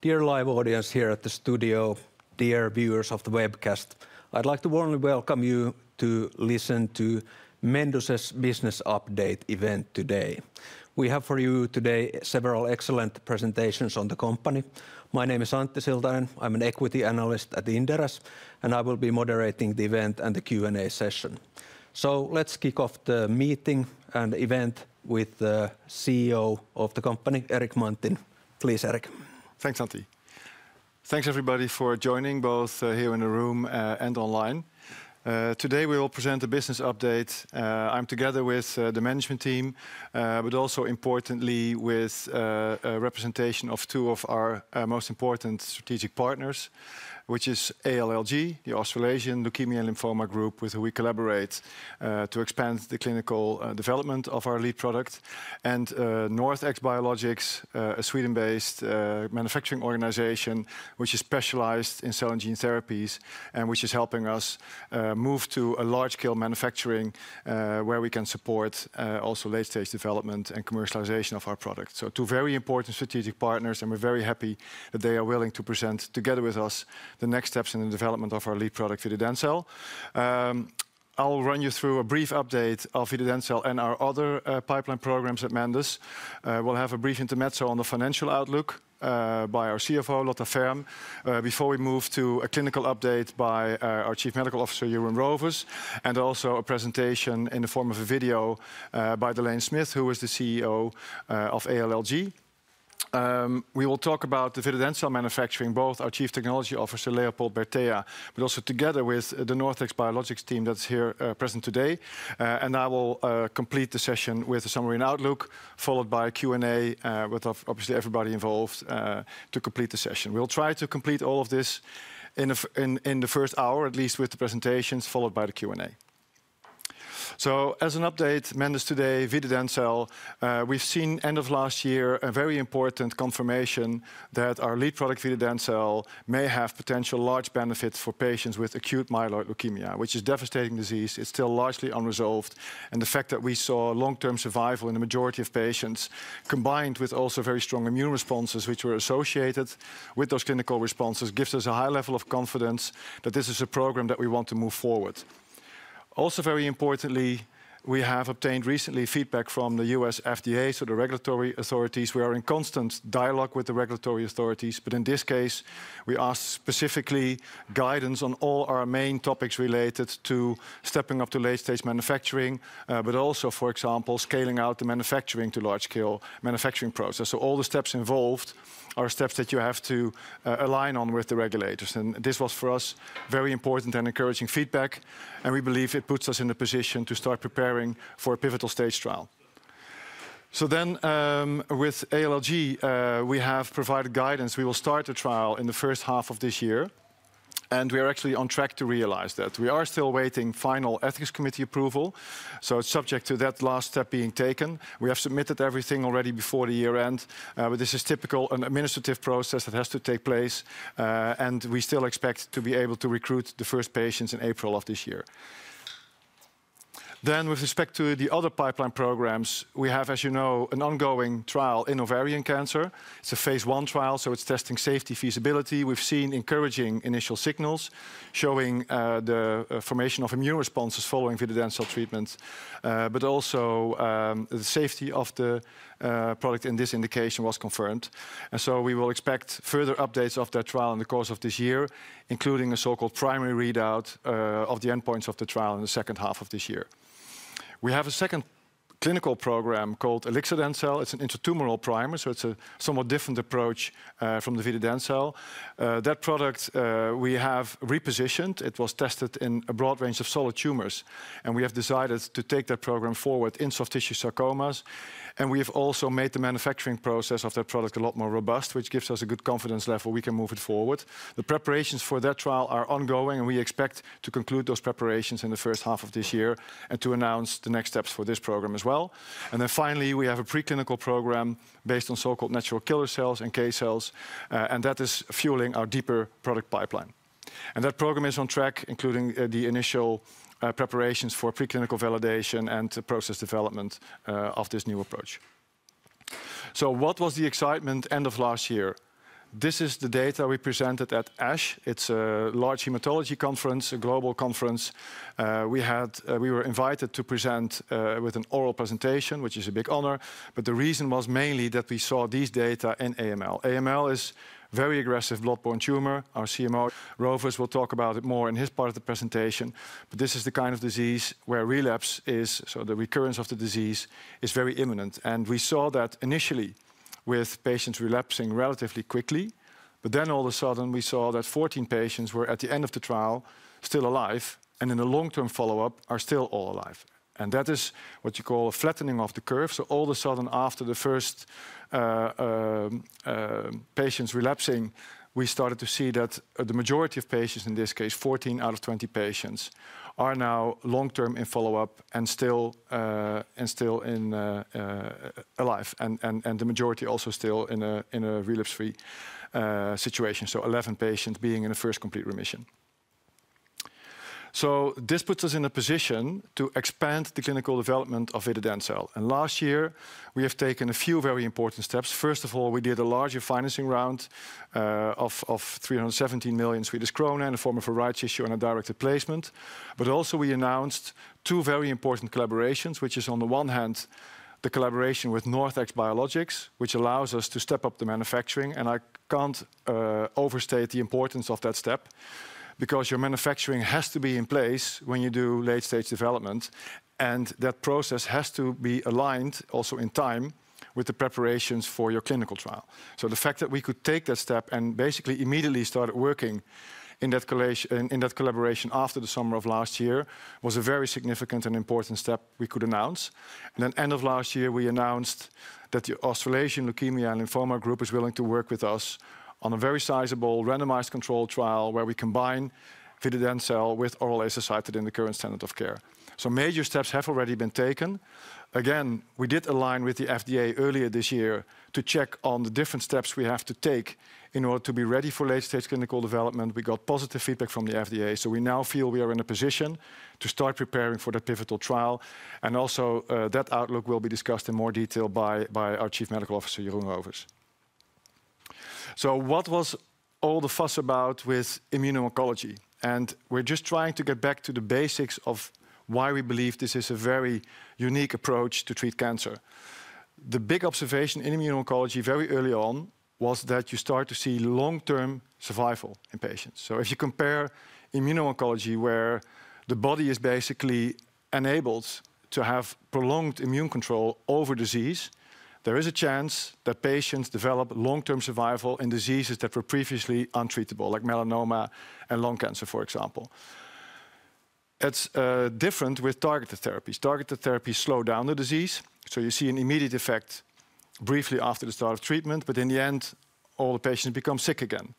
Dear live audience here at the studio, dear viewers of the webcast, I'd like to warmly welcome you to listen to Mendus's business update event today. We have for you today several excellent presentations on the company. My name is Antti Siltanen. I'm an equity analyst at Inderes, and I will be moderating the event and the Q&A session. Let's kick off the meeting and event with the CEO of the company, Erik Manting. Please, Erik. Thanks, Antti. Thanks everybody for joining, both here in the room and online. Today we will present a business update. I'm together with the management team, but also importantly with a representation of two of our most important strategic partners, which is ALLG, the Australasian Leukaemia and Lymphoma Group, with who we collaborate to expand the clinical development of our lead product, and NorthX Biologics, a Sweden-based manufacturing organization, which is specialized in cell and gene therapies, and which is helping us move to a large-scale manufacturing where we can support also late-stage development and commercialization of our product. So two very important strategic partners, and we're very happy that they are willing to present together with us the next steps in the development of our lead product, vididencel. I'll run you through a brief update of vididencel and our other pipeline programs at Mendus. We'll have a brief intermezzo on the financial outlook by our CFO, Lotta Ferm, before we move to a clinical update by our Chief Medical Officer, Jeroen Rovers, and also a presentation in the form of a video by Delaine Smith, who is the CEO of ALLG. We will talk about the vididencel manufacturing, both our Chief Technology Officer, Leopold Bertea, but also together with the NorthX Biologics team that's here present today. And I will complete the session with a summary and outlook, followed by a Q&A with obviously everybody involved to complete the session. We'll try to complete all of this in the first hour, at least with the presentations, followed by the Q&A. So as an update, Mendus today, vididencel, we've seen end of last year a very important confirmation that our lead product, vididencel, may have potential large benefits for patients with acute myeloid leukemia, which is a devastating disease. It's still largely unresolved, and the fact that we saw long-term survival in the majority of patients, combined with also very strong immune responses, which were associated with those clinical responses, gives us a high level of confidence that this is a program that we want to move forward. Also, very importantly, we have obtained recently feedback from the U.S. FDA, so the regulatory authorities. We are in constant dialogue with the regulatory authorities, but in this case, we asked specifically guidance on all our main topics related to stepping up to late-stage manufacturing, but also, for example, scaling out the manufacturing to large-scale manufacturing process. So all the steps involved are steps that you have to, align on with the regulators, and this was, for us, very important and encouraging feedback, and we believe it puts us in a position to start preparing for a pivotal stage trial. So then, with ALLG, we have provided guidance. We will start the trial in the first half of this year, and we are actually on track to realize that. We are still awaiting final ethics committee approval, so it's subject to that last step being taken. We have submitted everything already before the year end, but this is typical, an administrative process that has to take place, and we still expect to be able to recruit the first patients in April of this year. Then, with respect to the other pipeline programs, we have, as you know, an ongoing trial in ovarian cancer. It's a phase I trial, so it's testing safety, feasibility. We've seen encouraging initial signals showing the formation of immune responses following vididencel treatment, but also the safety of the product in this indication was confirmed. And so we will expect further updates of that trial in the course of this year, including a so-called primary readout of the endpoints of the trial in the second half of this year. We have a second clinical program called ilixadencel. It's an intratumoral primer, so it's a somewhat different approach from the vididencel. That product, we have repositioned. It was tested in a broad range of solid tumors, and we have decided to take that program forward in soft tissue sarcomas, and we have also made the manufacturing process of that product a lot more robust, which gives us a good confidence level we can move it forward. The preparations for that trial are ongoing, and we expect to conclude those preparations in the first half of this year and to announce the next steps for this program as well. And then finally, we have a preclinical program based on so-called natural killer cells, NK cells, and that is fueling our deeper product pipeline. And that program is on track, including the initial preparations for preclinical validation and the process development of this new approach. So what was the excitement end of last year? This is the data we presented at ASH. It's a large hematology conference, a global conference. We were invited to present with an oral presentation, which is a big honor, but the reason was mainly that we saw these data in AML. AML is a very aggressive blood-borne tumor. Our CMO, Rovers, will talk about it more in his part of the presentation, but this is the kind of disease where relapse is, so the recurrence of the disease, very imminent. And we saw that initially with patients relapsing relatively quickly, but then all of a sudden we saw that 14 patients were, at the end of the trial, still alive, and in the long-term follow-up, are still all alive. And that is what you call a flattening of the curve. So all of a sudden, after the first patients relapsing, we started to see that the majority of patients, in this case, 14 out of 20 patients, are now long-term in follow-up and still, and still in, alive and, and, and the majority also still in a, in a relapse-free, situation, so 11 patients being in a first complete remission. So this puts us in a position to expand the clinical development of vididencel. And last year, we have taken a few very important steps. First of all, we did a larger financing round of 317 million Swedish krona in the form of a rights issue and a directed placement. But also we announced two very important collaborations, which is on the one hand, the collaboration with NorthX Biologics, which allows us to step up the manufacturing, and I can't overstate the importance of that step, because your manufacturing has to be in place when you do late-stage development, and that process has to be aligned also in time with the preparations for your clinical trial. So the fact that we could take that step and basically immediately started working in that collaboration after the summer of last year, was a very significant and important step we could announce. And then end of last year, we announced that the Australasian Leukaemia and Lymphoma Group is willing to work with us on a very sizable randomized controlled trial, where we combine vididencel with oral azacitidine in the current standard of care. So major steps have already been taken. Again, we did align with the FDA earlier this year to check on the different steps we have to take in order to be ready for late-stage clinical development. We got positive feedback from the FDA, so we now feel we are in a position to start preparing for the pivotal trial, and also, that outlook will be discussed in more detail by our Chief Medical Officer, Jeroen Rovers. So what was all the fuss about with immuno-oncology? And we're just trying to get back to the basics of why we believe this is a very unique approach to treat cancer. The big observation in immuno-oncology very early on was that you start to see long-term survival in patients. So if you compare immuno-oncology, where the body is basically enabled to have prolonged immune control over disease, there is a chance that patients develop long-term survival in diseases that were previously untreatable, like melanoma and lung cancer, for example. It's different with targeted therapies. Targeted therapies slow down the disease, so you see an immediate effect briefly after the start of treatment, but in the end, all the patients become sick again.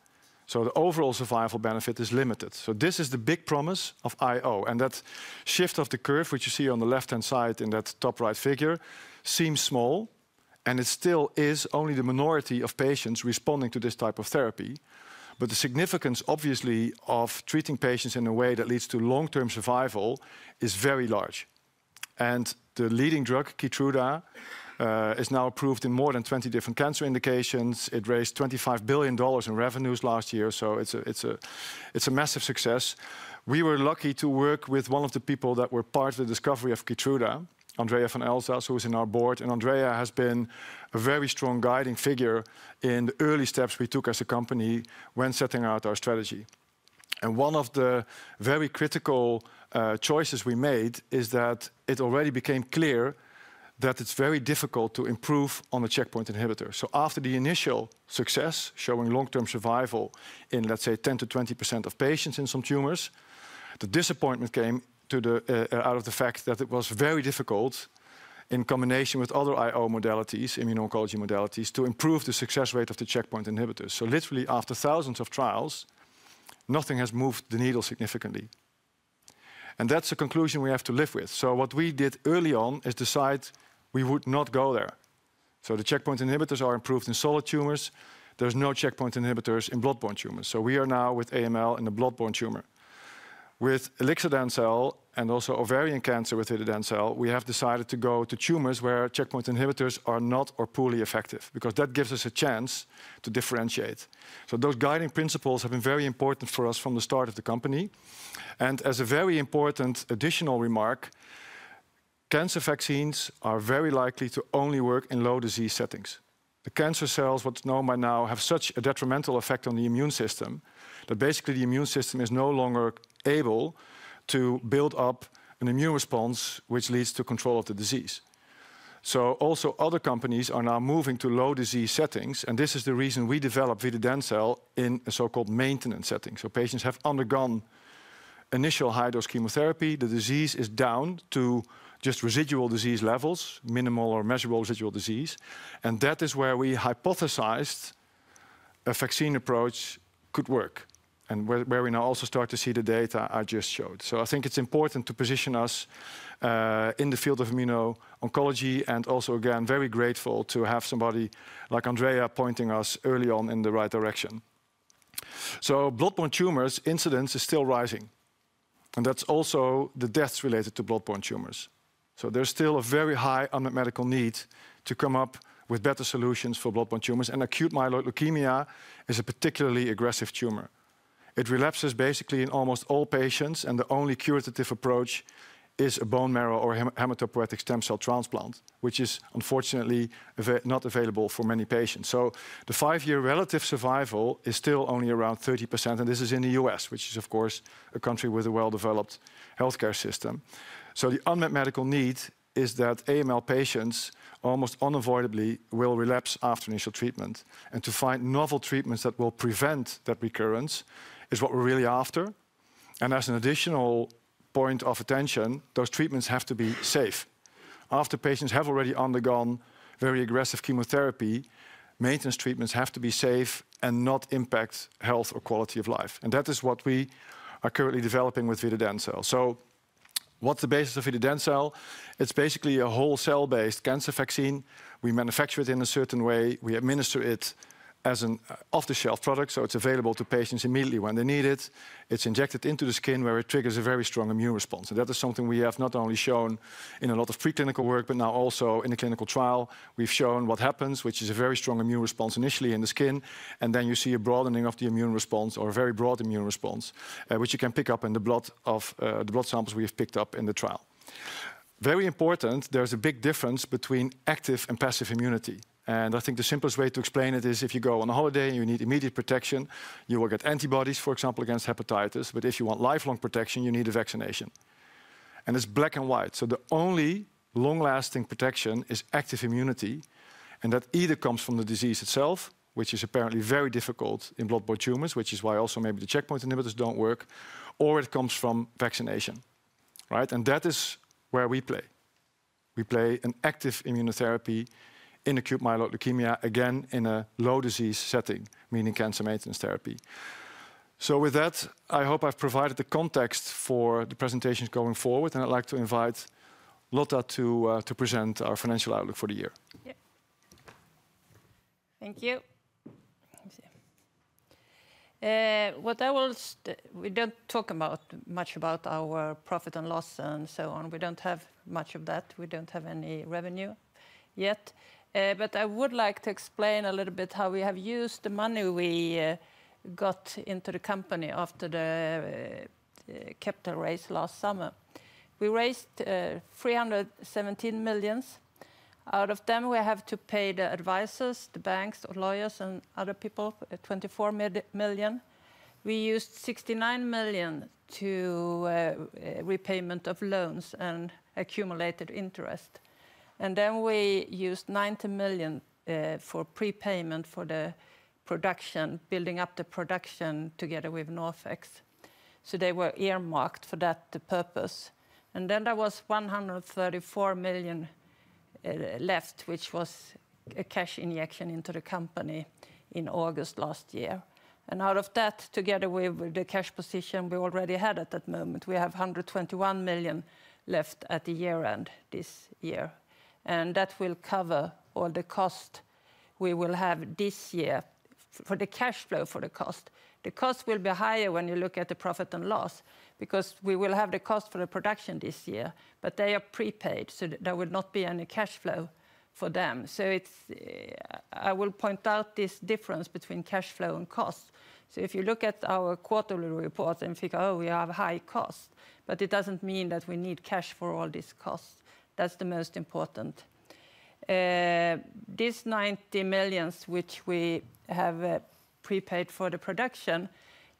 So the overall survival benefit is limited. So this is the big promise of IO, and that shift of the curve, which you see on the left-hand side in that top right figure, seems small, and it still is only the minority of patients responding to this type of therapy. But the significance, obviously, of treating patients in a way that leads to long-term survival is very large. The leading drug, Keytruda, is now approved in more than 20 different cancer indications. It raised $25 billion in revenues last year, so it's a massive success. We were lucky to work with one of the people that were part of the discovery of Keytruda, Andrea van Elsas, who is in our board, and Andrea has been a very strong guiding figure in the early steps we took as a company when setting out our strategy. One of the very critical choices we made is that it already became clear that it's very difficult to improve on the checkpoint inhibitor. So after the initial success, showing long-term survival in, let's say, 10%-20% of patients in some tumors, the disappointment came to the... out of the fact that it was very difficult in combination with other IO modalities, immuno-oncology modalities, to improve the success rate of the checkpoint inhibitors. So literally after thousands of trials, nothing has moved the needle significantly, and that's a conclusion we have to live with. So what we did early on is decide we would not go there. So the checkpoint inhibitors are improved in solid tumors. There's no checkpoint inhibitors in blood-borne tumors, so we are now with AML in a blood-borne tumor. With ilixadencel and also ovarian cancer with vididencel, we have decided to go to tumors where checkpoint inhibitors are not or poorly effective, because that gives us a chance to differentiate. So those guiding principles have been very important for us from the start of the company. As a very important additional remark, cancer vaccines are very likely to only work in low disease settings. The cancer cells, what's known by now, have such a detrimental effect on the immune system, that basically the immune system is no longer able to build up an immune response, which leads to control of the disease. Also, other companies are now moving to low disease settings, and this is the reason we developed vididencel in a so-called maintenance setting. Patients have undergone initial high-dose chemotherapy. The disease is down to just residual disease levels, minimal or measurable residual disease, and that is where we hypothesized a vaccine approach could work, and where, where we now also start to see the data I just showed. So I think it's important to position us in the field of immuno-oncology, and also, again, very grateful to have somebody like Andrea pointing us early on in the right direction. So blood-borne tumors incidence is still rising, and that's also the deaths related to blood-borne tumors. So there's still a very high unmet medical need to come up with better solutions for blood-borne tumors, and acute myeloid leukemia is a particularly aggressive tumor. It relapses basically in almost all patients, and the only curative approach is a bone marrow or hematopoietic stem cell transplant, which is unfortunately not available for many patients. So the five-year relative survival is still only around 30%, and this is in the U.S., which is, of course, a country with a well-developed healthcare system. So the unmet medical need is that AML patients almost unavoidably will relapse after initial treatment, and to find novel treatments that will prevent that recurrence is what we're really after. And as an additional point of attention, those treatments have to be safe. After patients have already undergone very aggressive chemotherapy, maintenance treatments have to be safe and not impact health or quality of life, and that is what we are currently developing with vididencel. So- ...What's the basis of vididencel? It's basically a whole cell-based cancer vaccine. We manufacture it in a certain way. We administer it as an off-the-shelf product, so it's available to patients immediately when they need it. It's injected into the skin, where it triggers a very strong immune response, and that is something we have not only shown in a lot of pre-clinical work, but now also in a clinical trial. We've shown what happens, which is a very strong immune response initially in the skin, and then you see a broadening of the immune response or a very broad immune response, which you can pick up in the blood of the blood samples we have picked up in the trial. Very important, there's a big difference between active and passive immunity, and I think the simplest way to explain it is if you go on a holiday and you need immediate protection, you will get antibodies, for example, against hepatitis. But if you want lifelong protection, you need a vaccination, and it's black and white. So the only long-lasting protection is active immunity, and that either comes from the disease itself, which is apparently very difficult in blood-borne tumors, which is why also maybe the checkpoint inhibitors don't work, or it comes from vaccination. Right? And that is where we play. We play an active immunotherapy in acute myeloid leukemia, again, in a low disease setting, meaning cancer maintenance therapy. So with that, I hope I've provided the context for the presentations going forward, and I'd like to invite Lotta to present our financial outlook for the year. Yep. Thank you. Let me see. We don't talk about much about our profit and loss and so on. We don't have much of that. We don't have any revenue yet. But I would like to explain a little bit how we have used the money we got into the company after the capital raise last summer. We raised 317 million. Out of them, we have to pay the advisors, the banks or lawyers, and other people twenty-four million. We used 69 million to repayment of loans and accumulated interest, and then we used 90 million for prepayment for the production, building up the production together with NorthX. So they were earmarked for that purpose. And then there was 134 million left, which was a cash injection into the company in August last year. And out of that, together with, with the cash position we already had at that moment, we have 121 million left at the year-end this year, and that will cover all the cost we will have this year for the cash flow, for the cost. The cost will be higher when you look at the profit and loss, because we will have the cost for the production this year, but they are prepaid, so there will not be any cash flow for them. So it's, I will point out this difference between cash flow and cost. So if you look at our quarterly report and think, "Oh, we have high cost," but it doesn't mean that we need cash for all these costs. That's the most important. This 90 million, which we have prepaid for the production,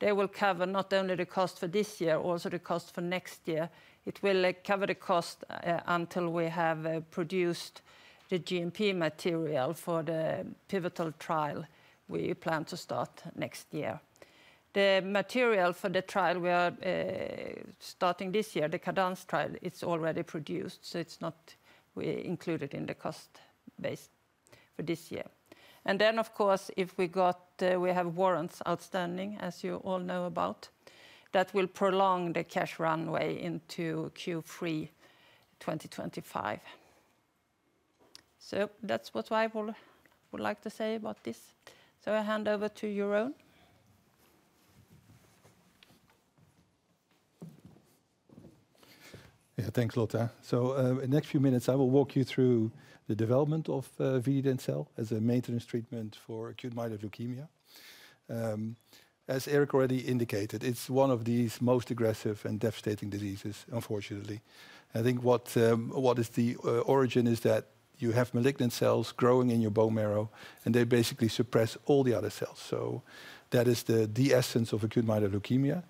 they will cover not only the cost for this year, also the cost for next year. It will cover the cost until we have produced the GMP material for the pivotal trial we plan to start next year. The material for the trial we are starting this year, the CADENCE trial, it's already produced, so it's not included in the cost base for this year. And then, of course, if we got, we have warrants outstanding, as you all know about, that will prolong the cash runway into Q3 2025. So that's what I will, would like to say about this. So I hand over to Jeroen. Yeah, thanks, Lotta. So, in the next few minutes, I will walk you through the development of vididencel as a maintenance treatment for acute myeloid leukemia. As Erik already indicated, it's one of the most aggressive and devastating diseases, unfortunately. I think what is the origin is that you have malignant cells growing in your bone marrow, and they basically suppress all the other cells. So that is the essence of acute myeloid leukemia.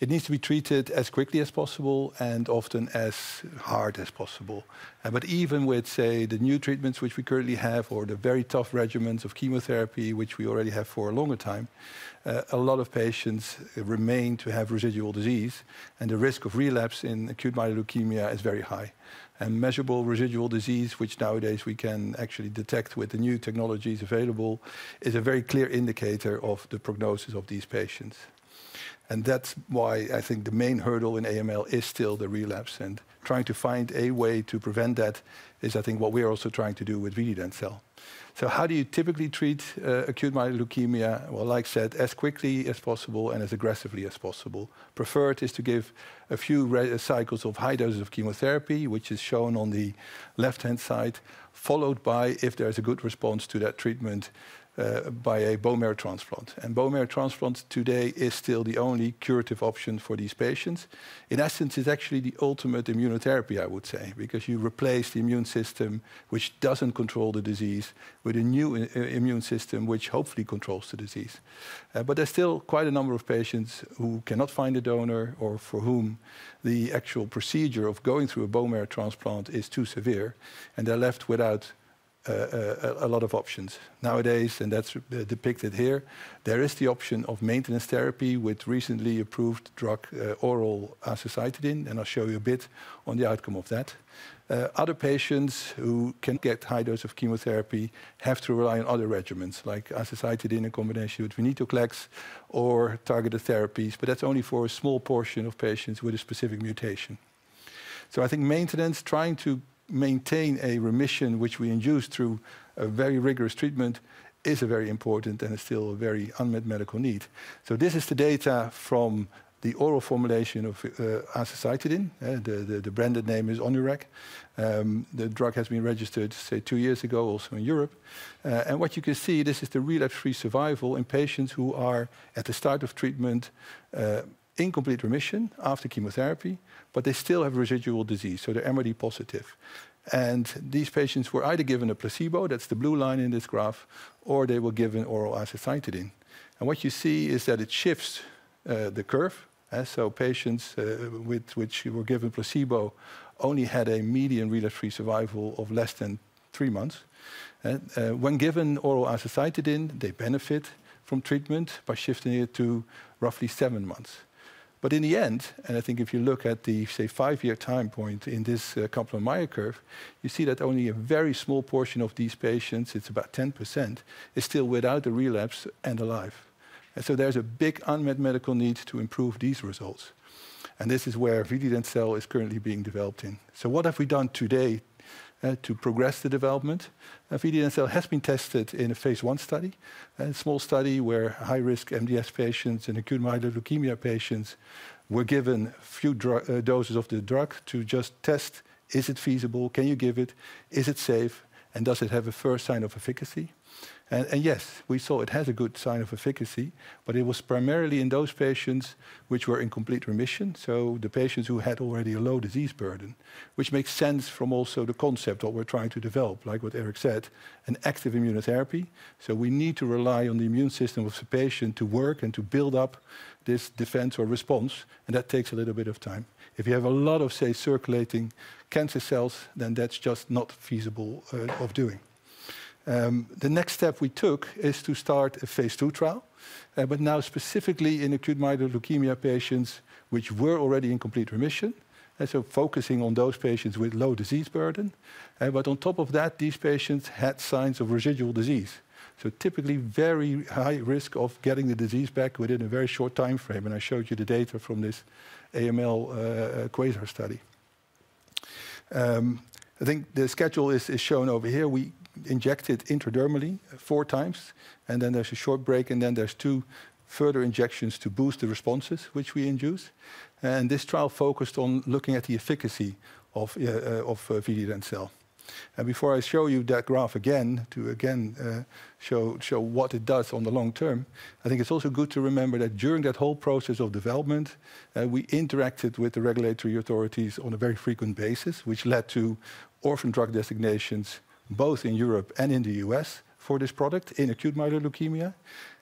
It needs to be treated as quickly as possible and often as hard as possible. But even with, say, the new treatments which we currently have or the very tough regimens of chemotherapy, which we already have for a longer time, a lot of patients remain to have residual disease, and the risk of relapse in acute myeloid leukemia is very high. Measurable residual disease, which nowadays we can actually detect with the new technologies available, is a very clear indicator of the prognosis of these patients. That's why I think the main hurdle in AML is still the relapse, and trying to find a way to prevent that is, I think, what we are also trying to do with vididencel. So how do you typically treat acute myeloid leukemia? Well, like I said, as quickly as possible and as aggressively as possible. Preferred is to give a few cycles of high doses of chemotherapy, which is shown on the left-hand side, followed by, if there is a good response to that treatment, a bone marrow transplant. Bone marrow transplant today is still the only curative option for these patients. In essence, it's actually the ultimate immunotherapy, I would say, because you replace the immune system, which doesn't control the disease, with a new immune system, which hopefully controls the disease. But there's still quite a number of patients who cannot find a donor or for whom the actual procedure of going through a bone marrow transplant is too severe, and they're left without a lot of options. Nowadays, and that's depicted here, there is the option of maintenance therapy with recently approved drug, oral azacitidine, and I'll show you a bit on the outcome of that. Other patients who can get high dose of chemotherapy have to rely on other regimens, like azacitidine in combination with venetoclax or targeted therapies, but that's only for a small portion of patients with a specific mutation.... So I think maintenance, trying to maintain a remission, which we induce through a very rigorous treatment, is a very important and still a very unmet medical need. So this is the data from the oral formulation of azacitidine, the branded name is Onureg. The drug has been registered, say, two years ago, also in Europe. And what you can see, this is the relapse-free survival in patients who are at the start of treatment, in complete remission after chemotherapy, but they still have residual disease, so they're MRD positive. And these patients were either given a placebo, that's the blue line in this graph, or they were given oral azacitidine. And what you see is that it shifts the curve. So patients with which were given placebo only had a median relapse-free survival of less than three months. When given oral azacitidine, they benefit from treatment by shifting it to roughly seven months. But in the end, and I think if you look at the, say, five-year time point in this, Kaplan-Meier curve, you see that only a very small portion of these patients, it's about 10%, is still without a relapse and alive. And so there's a big unmet medical need to improve these results, and this is where vididencel is currently being developed in. So what have we done today to progress the development? Vididencel has been tested in a phase one study, a small study where high-risk MDS patients and acute myeloid leukemia patients were given a few doses of the drug to just test, is it feasible? Can you give it? Is it safe, and does it have a first sign of efficacy? Yes, we saw it has a good sign of efficacy, but it was primarily in those patients which were in complete remission, so the patients who had already a low disease burden. Which makes sense from also the concept what we're trying to develop, like what Erik said, an active immunotherapy. So we need to rely on the immune system of the patient to work and to build up this defense or response, and that takes a little bit of time. If you have a lot of, say, circulating cancer cells, then that's just not feasible, of doing. The next step we took is to start a phase two trial, but now specifically in acute myeloid leukemia patients, which were already in complete remission, and so focusing on those patients with low disease burden. but on top of that, these patients had signs of residual disease, so typically very high risk of getting the disease back within a very short time frame, and I showed you the data from this AML, QUASAR study. I think the schedule is, is shown over here. We injected intradermally four times, and then there's a short break, and then there's two further injections to boost the responses which we induce. This trial focused on looking at the efficacy of vididencel. Before I show you that graph again, to again show what it does on the long term, I think it's also good to remember that during that whole process of development, we interacted with the regulatory authorities on a very frequent basis, which led to orphan drug designations, both in Europe and in the US for this product in acute myeloid leukemia.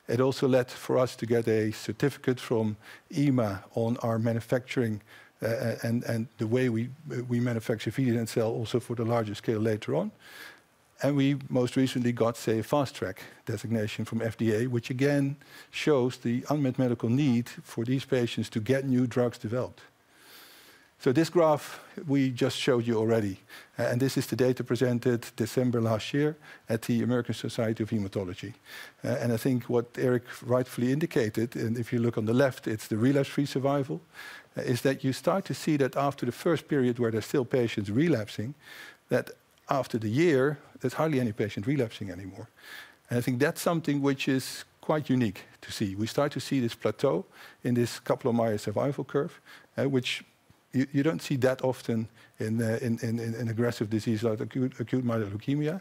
It also led for us to get a certificate from EMA on our manufacturing, and the way we manufacture vididencel also for the larger scale later on. And we most recently got a fast track designation from FDA, which again shows the unmet medical need for these patients to get new drugs developed. So this graph we just showed you already, and this is the data presented December last year at the American Society of Hematology. And I think what Erik rightfully indicated, and if you look on the left, it's the relapse-free survival, is that you start to see that after the first period where there's still patients relapsing, that after the year, there's hardly any patient relapsing anymore. And I think that's something which is quite unique to see. We start to see this plateau in this Kaplan-Meier survival curve, which you don't see that often in aggressive diseases like acute myeloid leukemia.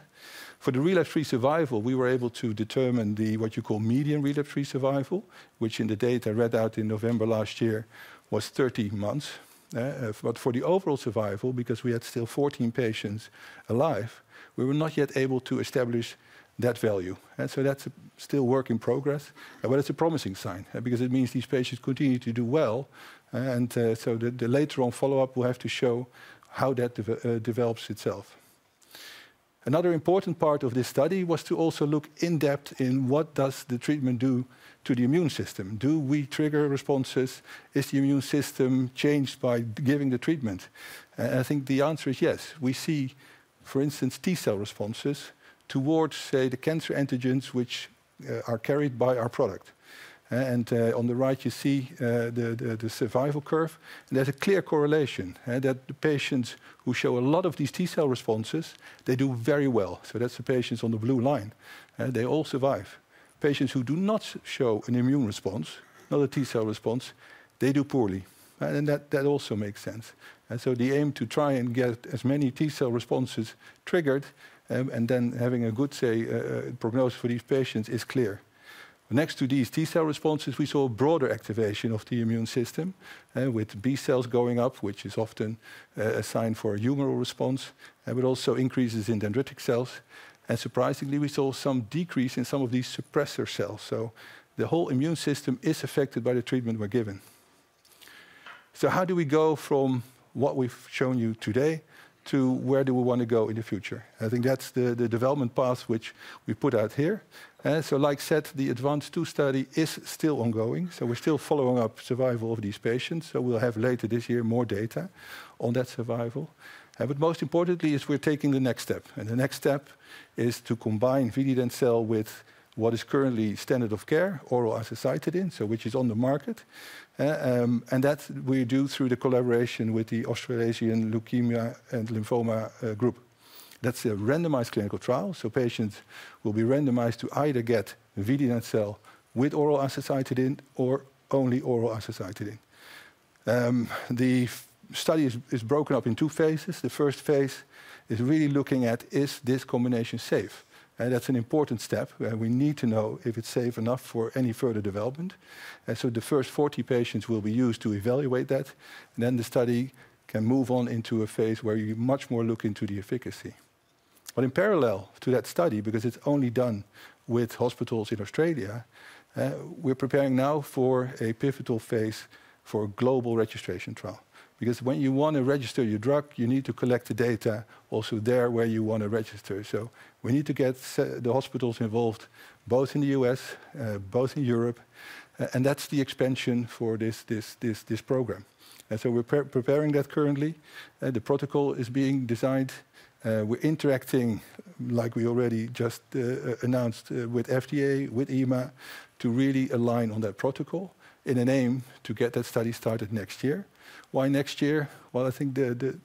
For the relapse-free survival, we were able to determine the what you call median relapse-free survival, which in the data readout in November last year, was 13 months. But for the overall survival, because we had still 14 patients alive, we were not yet able to establish that value, and so that's still work in progress. But it's a promising sign, because it means these patients continue to do well, and so the later on follow-up will have to show how that develops itself. Another important part of this study was to also look in depth in what does the treatment do to the immune system. Do we trigger responses? Is the immune system changed by giving the treatment? And I think the answer is yes. We see, for instance, T-cell responses towards, say, the cancer antigens, which are carried by our product. And on the right you see the survival curve, and there's a clear correlation that the patients who show a lot of these T-cell responses, they do very well. So that's the patients on the blue line, and they all survive. Patients who do not show an immune response, not a T-cell response, they do poorly, and that, that also makes sense. So the aim to try and get as many T-cell responses triggered, and then having a good, say, prognosis for these patients, is clear. Next to these T-cell responses, we saw broader activation of the immune system, with B cells going up, which is often a sign for a humoral response, but also increases in dendritic cells, and surprisingly, we saw some decrease in some of these suppressor cells. So the whole immune system is affected by the treatment we're giving. So how do we go from what we've shown you today to where do we want to go in the future? I think that's the development path which we put out here. So like I said, the ADVANCE II study is still ongoing, so we're still following up survival of these patients, so we'll have later this year more data on that survival. But most importantly is we're taking the next step, and the next step is to combine vididencel with what is currently standard of care, oral azacitidine, so which is on the market, and that we do through the collaboration with the Australasian Leukaemia and Lymphoma Group. That's a randomized clinical trial, so patients will be randomized to either get vididencel with oral azacitidine or only oral azacitidine. The study is broken up in two phases. The first phase is really looking at, is this combination safe? And that's an important step, where we need to know if it's safe enough for any further development. So the first 40 patients will be used to evaluate that, and then the study can move on into a phase where you much more look into the efficacy. But in parallel to that study, because it's only done with hospitals in Australia, we're preparing now for a pivotal phase for a global registration trial. Because when you want to register your drug, you need to collect the data also there where you want to register. So we need to get the hospitals involved, both in the U.S., both in Europe, and that's the expansion for this program. And so we're preparing that currently, the protocol is being designed. We're interacting, like we already just announced, with FDA, with EMA, to really align on that protocol in an aim to get that study started next year. Why next year? Well, I think the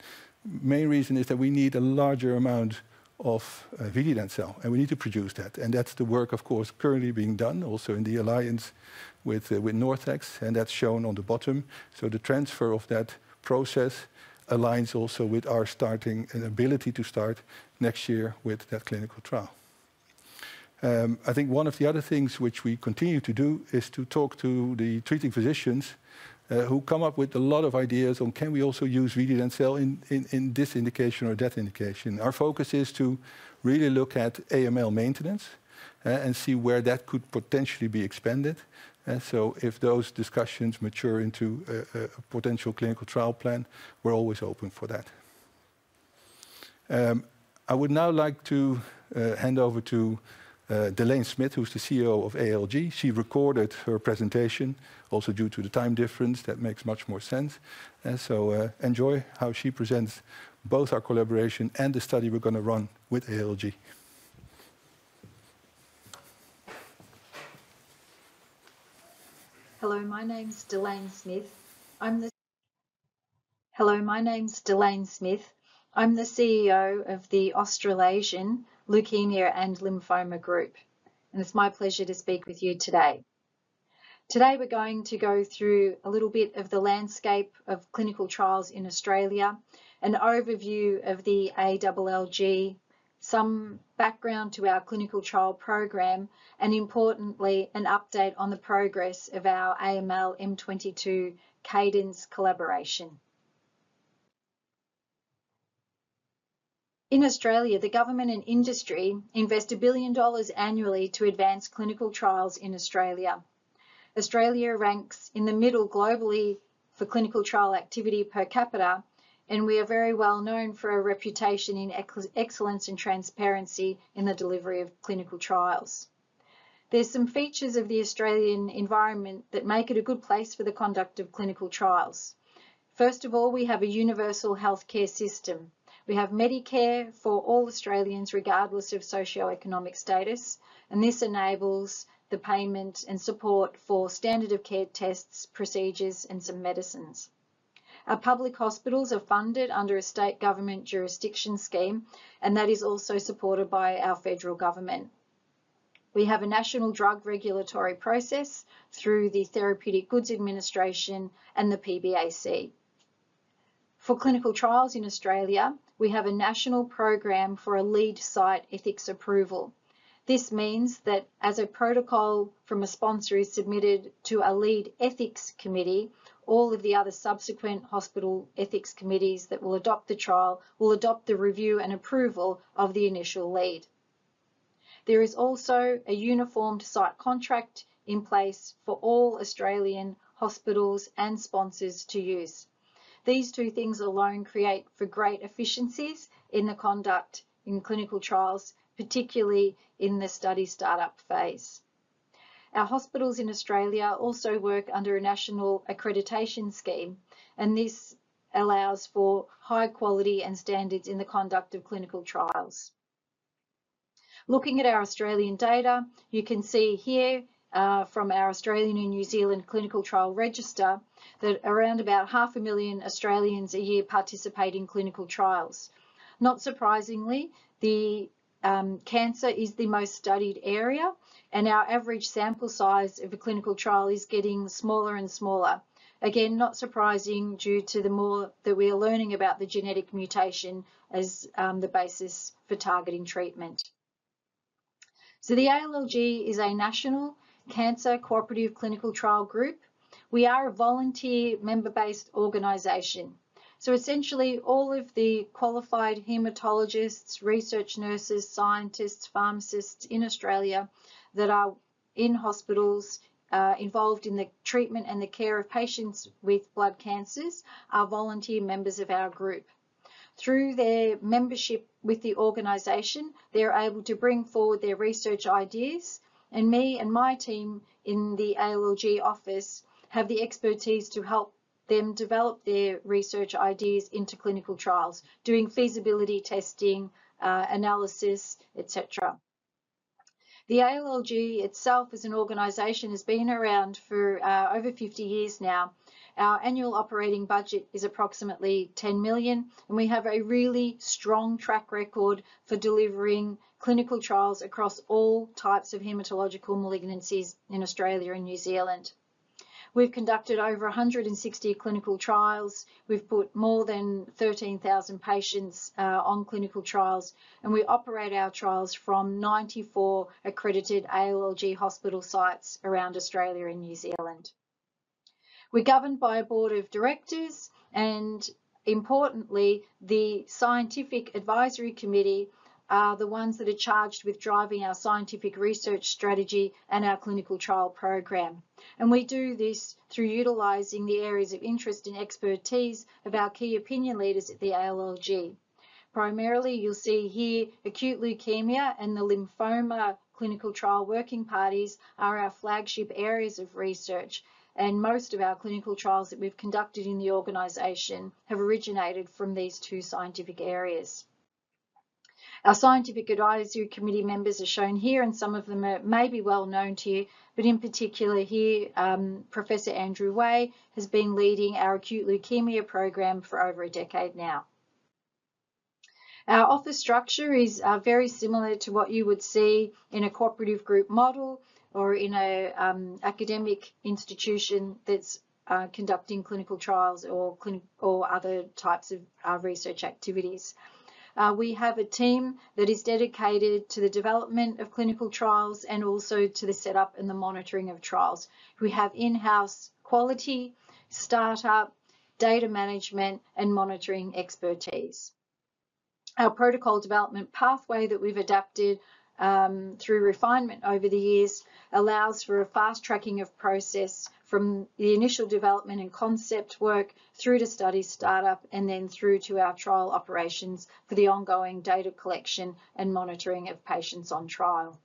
main reason is that we need a larger amount of vididencel, and we need to produce that, and that's the work, of course, currently being done also in the alliance with NorthX, and that's shown on the bottom. So the transfer of that process aligns also with our starting and ability to start next year with that clinical trial. I think one of the other things which we continue to do is to talk to the treating physicians who come up with a lot of ideas on can we also use vididencel in this indication or that indication? Our focus is to really look at AML maintenance, and see where that could potentially be expanded, and so if those discussions mature into a potential clinical trial plan, we're always open for that. I would now like to hand over to Delaine Smith, who's the CEO of ALLG. She recorded her presentation. Also due to the time difference, that makes much more sense. So, enjoy how she presents both our collaboration and the study we're gonna run with ALLG. Hello, my name's Delaine Smith. I'm the CEO of the Australasian Leukaemia and Lymphoma Group, and it's my pleasure to speak with you today. Today, we're going to go through a little bit of the landscape of clinical trials in Australia, an overview of the ALLG, some background to our clinical trial program, and importantly, an update on the progress of our AML M22 Cadence collaboration. In Australia, the government and industry invest 1 billion dollars annually to advance clinical trials in Australia. Australia ranks in the middle globally for clinical trial activity per capita, and we are very well known for our reputation in excellence and transparency in the delivery of clinical trials. There are some features of the Australian environment that make it a good place for the conduct of clinical trials. First of all, we have a universal healthcare system. We have Medicare for all Australians, regardless of socioeconomic status, and this enables the payment and support for standard of care tests, procedures, and some medicines. Our public hospitals are funded under a state government jurisdiction scheme, and that is also supported by our federal government. We have a national drug regulatory process through the Therapeutic Goods Administration and the PBAC. For clinical trials in Australia, we have a national program for a lead site ethics approval. This means that as a protocol from a sponsor is submitted to a lead ethics committee, all of the other subsequent hospital ethics committees that will adopt the trial will adopt the review and approval of the initial lead. There is also a uniform site contract in place for all Australian hospitals and sponsors to use. These two things alone create for great efficiencies in the conduct in clinical trials, particularly in the study startup phase. Our hospitals in Australia also work under a national accreditation scheme, and this allows for high quality and standards in the conduct of clinical trials. Looking at our Australian data, you can see here, from our Australian and New Zealand Clinical Trial Register, that around 500,000 Australians a year participate in clinical trials. Not surprisingly, the cancer is the most studied area, and our average sample size of a clinical trial is getting smaller and smaller. Again, not surprising, due to the more that we are learning about the genetic mutation as the basis for targeting treatment. So the ALLG is a national cancer cooperative clinical trial group. We are a volunteer member-based organization. So essentially, all of the qualified hematologists, research nurses, scientists, pharmacists in Australia that are in hospitals, involved in the treatment and the care of patients with blood cancers are volunteer members of our group. Through their membership with the organization, they're able to bring forward their research ideas, and me and my team in the ALLG office have the expertise to help them develop their research ideas into clinical trials, doing feasibility testing, analysis, et cetera. The ALLG itself as an organization has been around for, over 50 years now. Our annual operating budget is approximately 10 million, and we have a really strong track record for delivering clinical trials across all types of hematological malignancies in Australia and New Zealand. We've conducted over 160 clinical trials, we've put more than 13,000 patients on clinical trials, and we operate our trials from 94 accredited ALLG hospital sites around Australia and New Zealand. We're governed by a board of directors, and importantly, the Scientific Advisory Committee are the ones that are charged with driving our scientific research strategy and our clinical trial program, and we do this through utilizing the areas of interest and expertise of our key opinion leaders at the ALLG. Primarily, you'll see here, acute leukemia and the lymphoma clinical trial working parties are our flagship areas of research, and most of our clinical trials that we've conducted in the organization have originated from these two scientific areas. Our Scientific Advisory Committee members are shown here, and some of them are, may be well known to you, but in particular here, Professor Andrew Wei has been leading our acute leukemia program for over a decade now. Our office structure is very similar to what you would see in a cooperative group model or in a academic institution that's conducting clinical trials or other types of research activities. We have a team that is dedicated to the development of clinical trials and also to the setup and the monitoring of trials. We have in-house quality, startup, data management, and monitoring expertise. Our protocol development pathway that we've adapted, through refinement over the years, allows for a fast-tracking of process from the initial development and concept work through to study startup, and then through to our trial operations for the ongoing data collection and monitoring of patients on trial.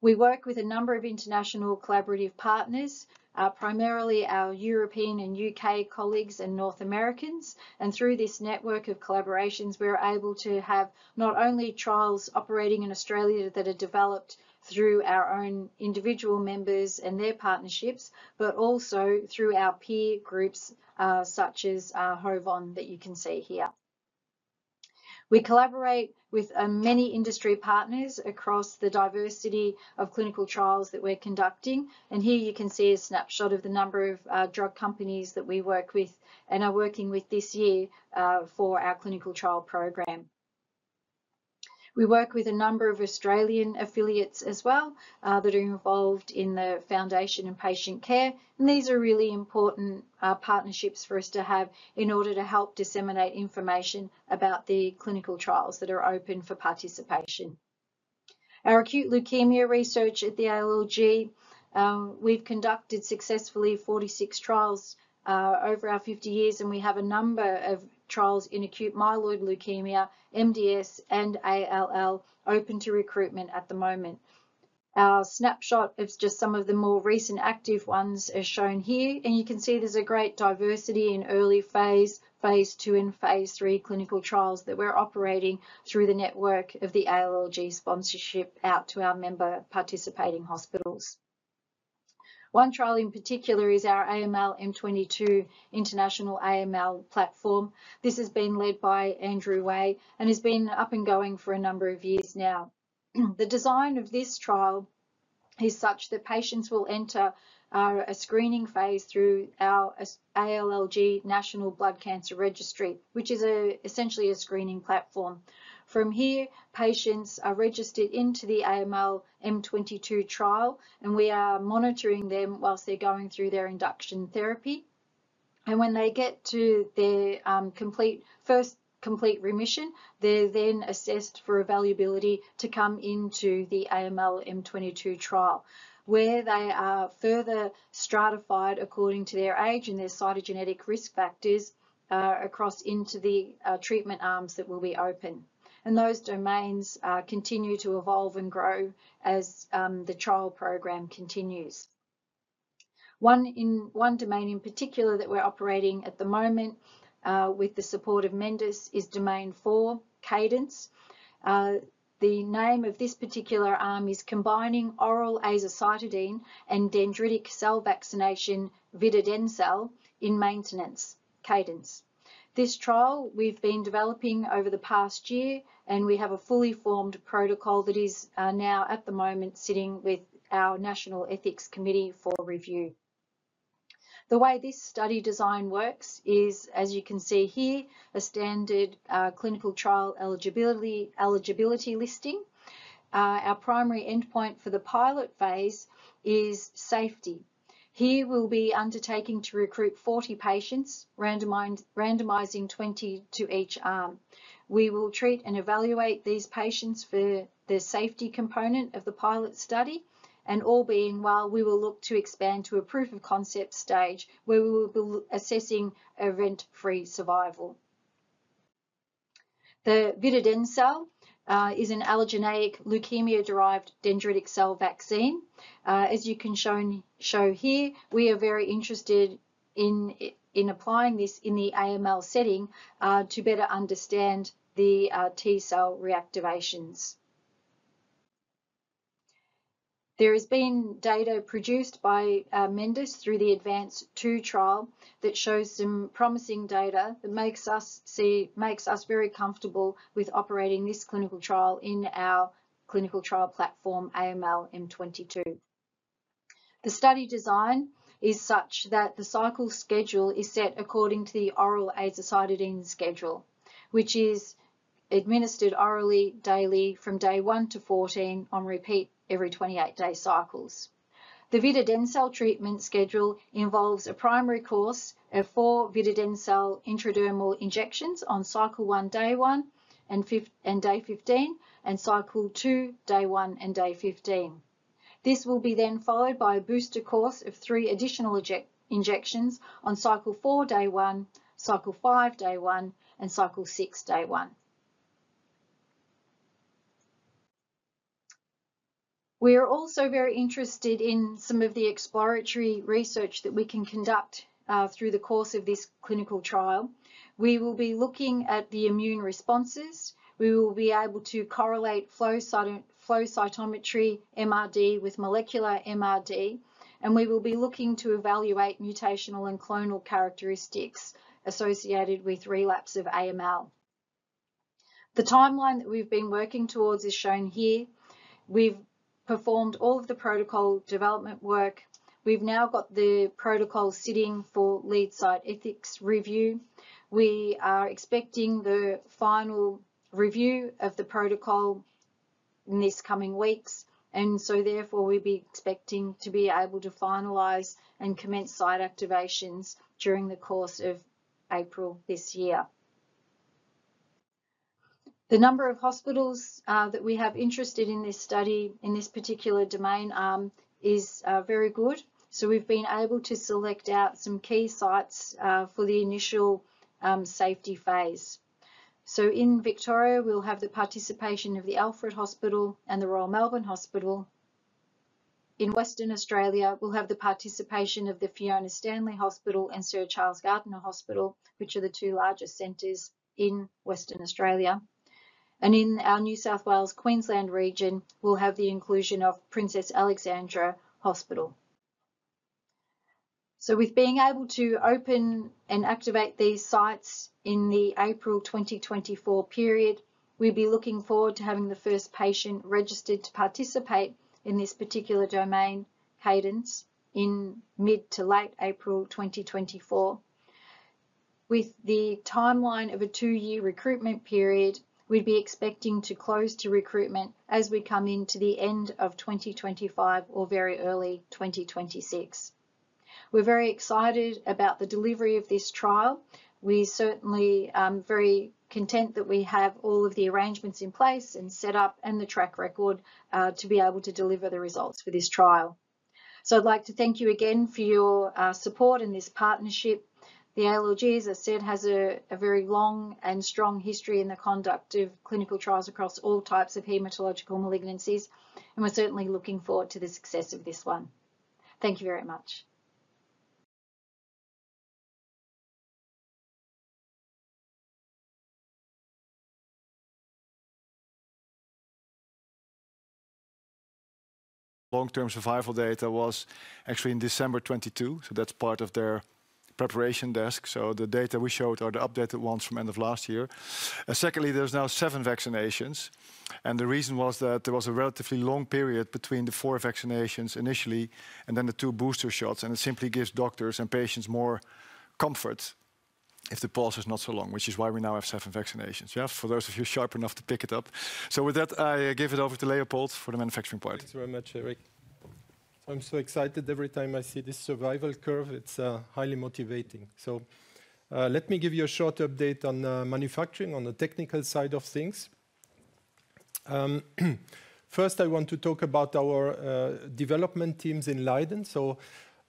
We work with a number of international collaborative partners, primarily our European and UK colleagues and North Americans, and through this network of collaborations, we're able to have not only trials operating in Australia that are developed through our own individual members and their partnerships, but also through our peer groups, such as HOVON, that you can see here. We collaborate with many industry partners across the diversity of clinical trials that we're conducting, and here you can see a snapshot of the number of drug companies that we work with and are working with this year for our clinical trial program. We work with a number of Australian affiliates as well that are involved in the foundation and patient care, and these are really important partnerships for us to have in order to help disseminate information about the clinical trials that are open for participation. Our acute leukemia research at the ALLG, we've conducted successfully 46 trials over our 50 years, and we have a number of trials in acute myeloid leukemia, MDS, and ALL open to recruitment at the moment. Our snapshot of just some of the more recent active ones are shown here, and you can see there's a great diversity in early phase, phase II and phase III clinical trials that we're operating through the network of the ALLG sponsorship out to our member participating hospitals. One trial in particular is our AML M22 international AML platform. This has been led by Andrew Wei and has been up and going for a number of years now. The design of this trial is such that patients will enter a screening phase through our ALLG National Blood Cancer Registry, which is essentially a screening platform. From here, patients are registered into the AML M22 trial, and we are monitoring them while they're going through their induction therapy, and when they get to their complete, first complete remission, they're then assessed for evaluability to come into the AML M22 trial, where they are further stratified according to their age and their cytogenetic risk factors across into the treatment arms that will be open, and those domains continue to evolve and grow as the trial program continues. One domain in particular that we're operating at the moment with the support of Mendus is Domain Four, Cadence. The name of this particular arm is Combining Oral Azacitidine and Dendritic Cell Vaccination vididencel in Maintenance, Cadence. This trial, we've been developing over the past year, and we have a fully formed protocol that is now at the moment sitting with our national ethics committee for review. The way this study design works is, as you can see here, a standard clinical trial eligibility, eligibility listing. Our primary endpoint for the pilot phase is safety. Here we'll be undertaking to recruit 40 patients, randomizing 20 to each arm. We will treat and evaluate these patients for the safety component of the pilot study, and all being well, we will look to expand to a proof of concept stage, where we will be assessing event-free survival. The vididencel is an allogeneic leukemia-derived dendritic cell vaccine.... As you can show here, we are very interested in applying this in the AML setting to better understand the T cell reactivations. There has been data produced by Mendus through the ADVANCE II trial that shows some promising data that makes us very comfortable with operating this clinical trial in our clinical trial platform, AML M22. The study design is such that the cycle schedule is set according to the oral azacitidine schedule, which is administered orally, daily from day 1 to 14 on repeat every 28-day cycles. The vididencel treatment schedule involves a primary course of 4 vididencel intradermal injections on cycle 1, day 1, and day 15, and cycle 2, day 1 and day 15. This will be then followed by a booster course of 3 additional injections on cycle 4, day 1, cycle 5, day 1, and cycle 6, day 1. We are also very interested in some of the exploratory research that we can conduct through the course of this clinical trial. We will be looking at the immune responses. We will be able to correlate flow cytometry MRD with molecular MRD, and we will be looking to evaluate mutational and clonal characteristics associated with relapse of AML. The timeline that we've been working towards is shown here. We've performed all of the protocol development work. We've now got the protocol sitting for lead site ethics review. We are expecting the final review of the protocol in these coming weeks, and so therefore, we'll be expecting to be able to finalize and commence site activations during the course of April this year. The number of hospitals that we have interested in this study, in this particular domain, is very good. So we've been able to select out some key sites for the initial safety phase. So in Victoria, we'll have the participation of the Alfred Hospital and the Royal Melbourne Hospital. In Western Australia, we'll have the participation of the Fiona Stanley Hospital and Sir Charles Gairdner Hospital, which are the two largest centers in Western Australia. And in our New South Wales, Queensland region, we'll have the inclusion of Princess Alexandra Hospital. So with being able to open and activate these sites in the April 2024 period, we'll be looking forward to having the first patient registered to participate in this particular domain, CADENCE, in mid-to-late April 2024. With the timeline of a 2-year recruitment period, we'd be expecting to close to recruitment as we come into the end of 2025 or very early 2026. We're very excited about the delivery of this trial. We certainly very content that we have all of the arrangements in place and set up and the track record to be able to deliver the results for this trial. So I'd like to thank you again for your support in this partnership. The ALLG, as I said, has a very long and strong history in the conduct of clinical trials across all types of hematological malignancies, and we're certainly looking forward to the success of this one. Thank you very much. Long-term survival data was actually in December 2022, so that's part of their preparation deck. So the data we showed are the updated ones from end of last year. And secondly, there's now 7 vaccinations, and the reason was that there was a relatively long period between the 4 vaccinations initially and then the 2 booster shots, and it simply gives doctors and patients more comfort if the pause is not so long, which is why we now have 7 vaccinations. Yeah, for those of you sharp enough to pick it up. So with that, I give it over to Leopold for the manufacturing part. Thanks very much, Erik. I'm so excited every time I see this survival curve, it's highly motivating. So, let me give you a short update on manufacturing, on the technical side of things. First, I want to talk about our development teams in Leiden. So,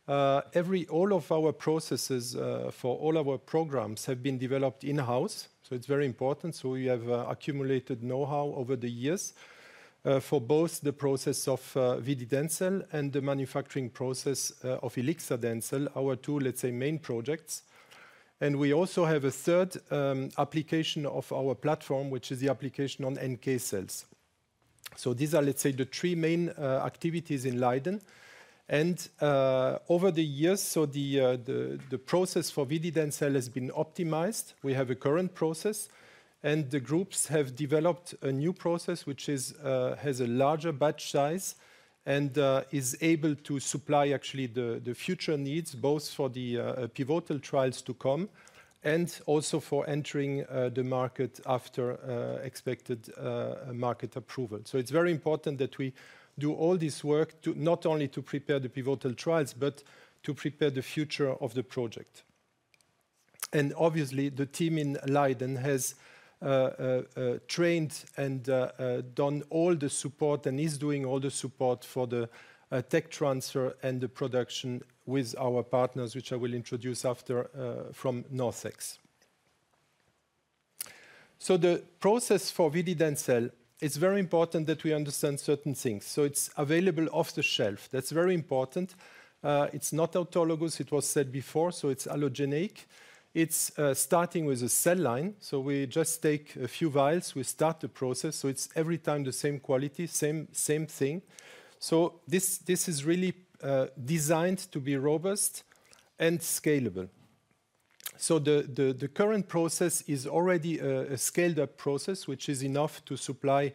all of our processes for all our programs have been developed in-house, so it's very important. So we have accumulated know-how over the years for both the process of Vididencel and the manufacturing process of Ilixadencel, our two, let's say, main projects. And we also have a third application of our platform, which is the application on NK cells. So these are, let's say, the three main activities in Leiden. And over the years, so the process for Vididencel has been optimized. We have a current process, and the groups have developed a new process, which has a larger batch size and is able to supply actually the future needs, both for the pivotal trials to come and also for entering the market after expected market approval. So it's very important that we do all this work to not only prepare the pivotal trials, but to prepare the future of the project. And obviously, the team in Leiden has trained and done all the support and is doing all the support for the tech transfer and the production with our partners, which I will introduce after from NorthX. So the process for vididencel, it's very important that we understand certain things. So it's available off the shelf. That's very important. It's not autologous, it was said before, so it's allogeneic. It's starting with a cell line, so we just take a few vials. We start the process, so it's every time the same quality, same thing. So this is really designed to be robust and scalable. So the current process is already a scaled up process, which is enough to supply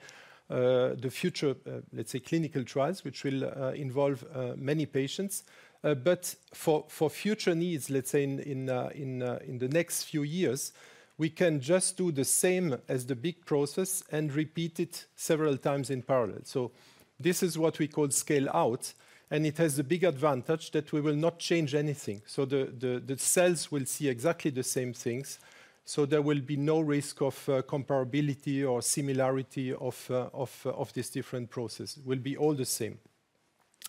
the future, let's say, clinical trials, which will involve many patients. But for future needs, let's say in the next few years, we can just do the same as the big process and repeat it several times in parallel. So this is what we call scale out, and it has the big advantage that we will not change anything. So the cells will see exactly the same things, so there will be no risk of comparability or similarity of this different process. Will be all the same.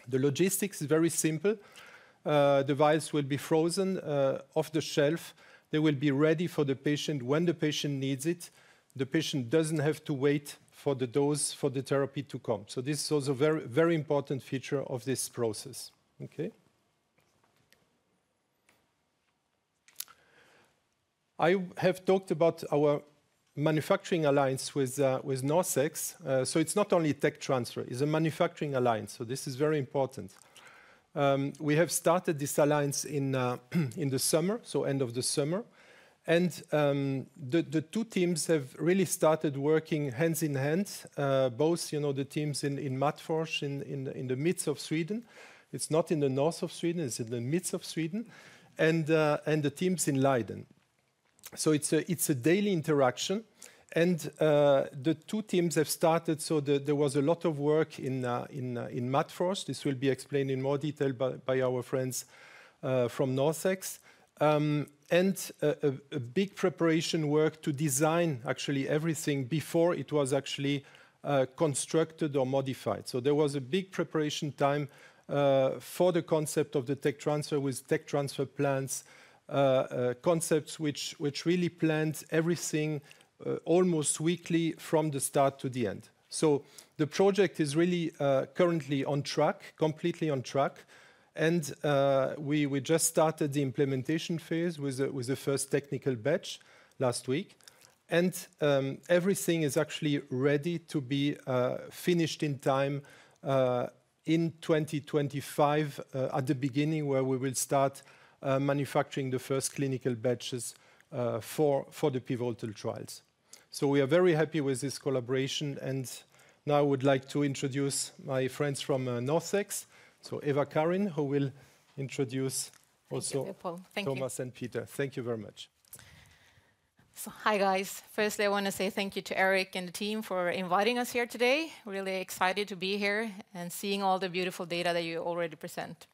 The logistics is very simple. The vials will be frozen off the shelf. They will be ready for the patient when the patient needs it. The patient doesn't have to wait for the dose, for the therapy to come, so this is also a very, very important feature of this process. Okay? I have talked about our manufacturing alliance with NorthX. So it's not only tech transfer, it's a manufacturing alliance, so this is very important. We have started this alliance in the summer, so end of the summer, and the two teams have really started working hand in hand. Both, you know, the teams in Matfors, in the midst of Sweden. It's not in the north of Sweden, it's in the midst of Sweden. And the teams in Leiden. So it's a daily interaction, and the two teams have started, so there was a lot of work in Matfors. This will be explained in more detail by our friends from NorthX. And a big preparation work to design actually everything before it was actually constructed or modified. So there was a big preparation time for the concept of the tech transfer with tech transfer plans, concepts which really planned everything almost weekly from the start to the end. So the project is really currently on track, completely on track, and we just started the implementation phase with the first technical batch last week. And everything is actually ready to be finished in time in 2025 at the beginning, where we will start manufacturing the first clinical batches for the pivotal trials. So we are very happy with this collaboration, and now I would like to introduce my friends from NorthX. So Eva-Karin, who will introduce also- Thank you, Leopold. Thank you. Tomas and Peter. Thank you very much. So hi, guys. Firstly, I wanna say thank you to Erik and the team for inviting us here today. Really excited to be here and seeing all the beautiful data that you already present.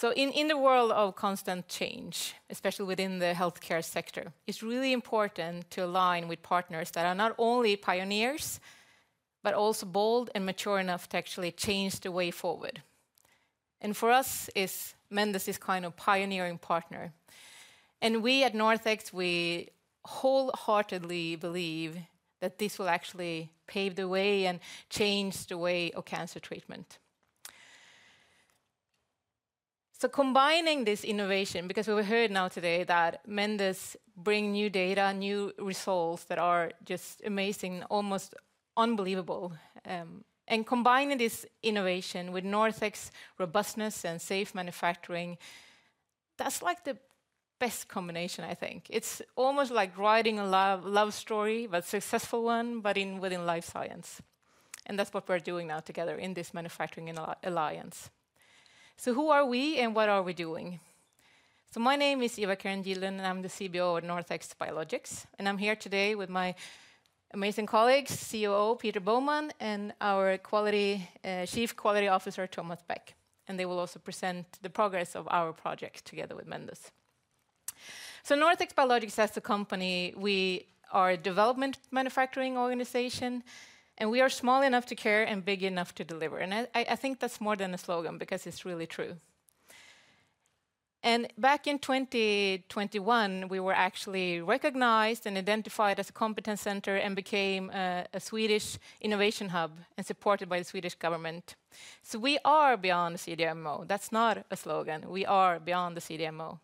So in the world of constant change, especially within the healthcare sector, it's really important to align with partners that are not only pioneers, but also bold and mature enough to actually change the way forward. And for us, it's Mendus is kind of pioneering partner. And we at NorthX, we wholeheartedly believe that this will actually pave the way and change the way of cancer treatment. So combining this innovation, because we heard now today that Mendus bring new data, new results that are just amazing, almost unbelievable, and combining this innovation with NorthX robustness and safe manufacturing, that's like the best combination, I think. It's almost like writing a love, love story, but successful one, but within life science, and that's what we're doing now together in this manufacturing alliance. So who are we and what are we doing? So my name is Eva-Karin Gyllén, and I'm the CBO at NorthX Biologics, and I'm here today with my amazing colleagues, COO Peter Boman, and our Chief Quality Officer, Tomas Beck, and they will also present the progress of our project together with Mendus. So NorthX Biologics, as a company, we are a development manufacturing organization, and we are small enough to care and big enough to deliver, and I think that's more than a slogan because it's really true. Back in 2021, we were actually recognized and identified as a competence center and became a Swedish innovation hub, and supported by the Swedish government. So we are beyond the CDMO. That's not a slogan. We are beyond the CDMO,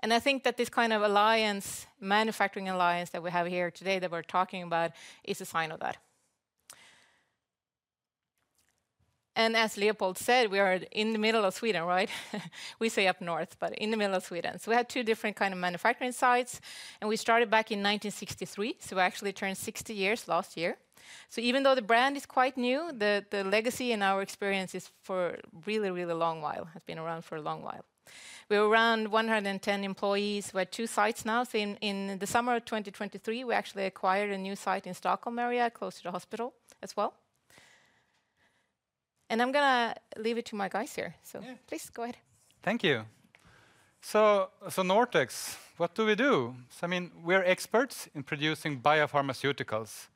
and I think that this kind of alliance, manufacturing alliance that we have here today, that we're talking about, is a sign of that. And as Leopold said, we are in the middle of Sweden, right? We say up north, but in the middle of Sweden. So we have two different kind of manufacturing sites, and we started back in 1963, so we actually turned 60 years last year. So even though the brand is quite new, the, the legacy and our experience is for really, really long while, has been around for a long while. We're around 110 employees. We're two sites now. So in, in the summer of 2023, we actually acquired a new site in Stockholm area, close to the hospital as well. I'm gonna leave it to my guys here- Yeah. Please go ahead. Thank you. So, NorthX, what do we do? So, I mean, we're experts in producing biopharmaceuticals...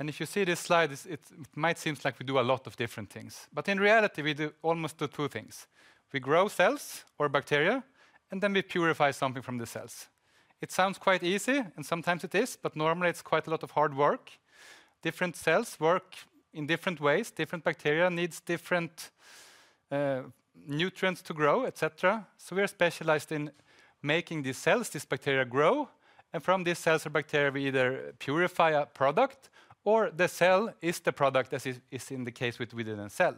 and if you see this slide, it's, it, it might seem like we do a lot of different things, but in reality, we do almost the two things. We grow cells or bacteria, and then we purify something from the cells. It sounds quite easy, and sometimes it is, but normally it's quite a lot of hard work. Different cells work in different ways. Different bacteria needs different nutrients to grow, et cetera. So we are specialized in making these cells, this bacteria grow, and from these cells or bacteria, we either purify a product or the cell is the product, as is in the case with vididencel.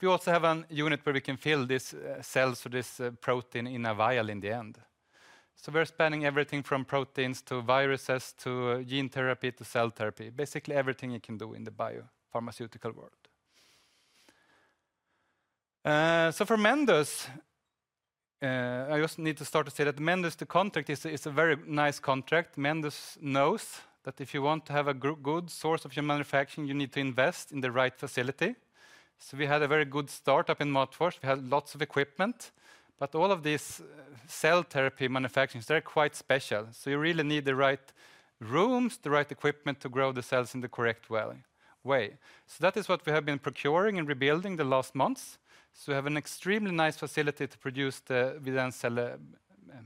We also have an unit where we can fill these cells for this protein in a vial in the end. So we're spanning everything from proteins to viruses, to gene therapy, to cell therapy. Basically, everything you can do in the biopharmaceutical world. So for Mendus, I just need to start to say that Mendus, the contract is a very nice contract. Mendus knows that if you want to have a good source of your manufacturing, you need to invest in the right facility. So we had a very good start up in Matfors. We had lots of equipment, but all of these cell therapy manufacturing, they're quite special. So you really need the right rooms, the right equipment to grow the cells in the correct way. So that is what we have been procuring and rebuilding the last months. So we have an extremely nice facility to produce the vididencel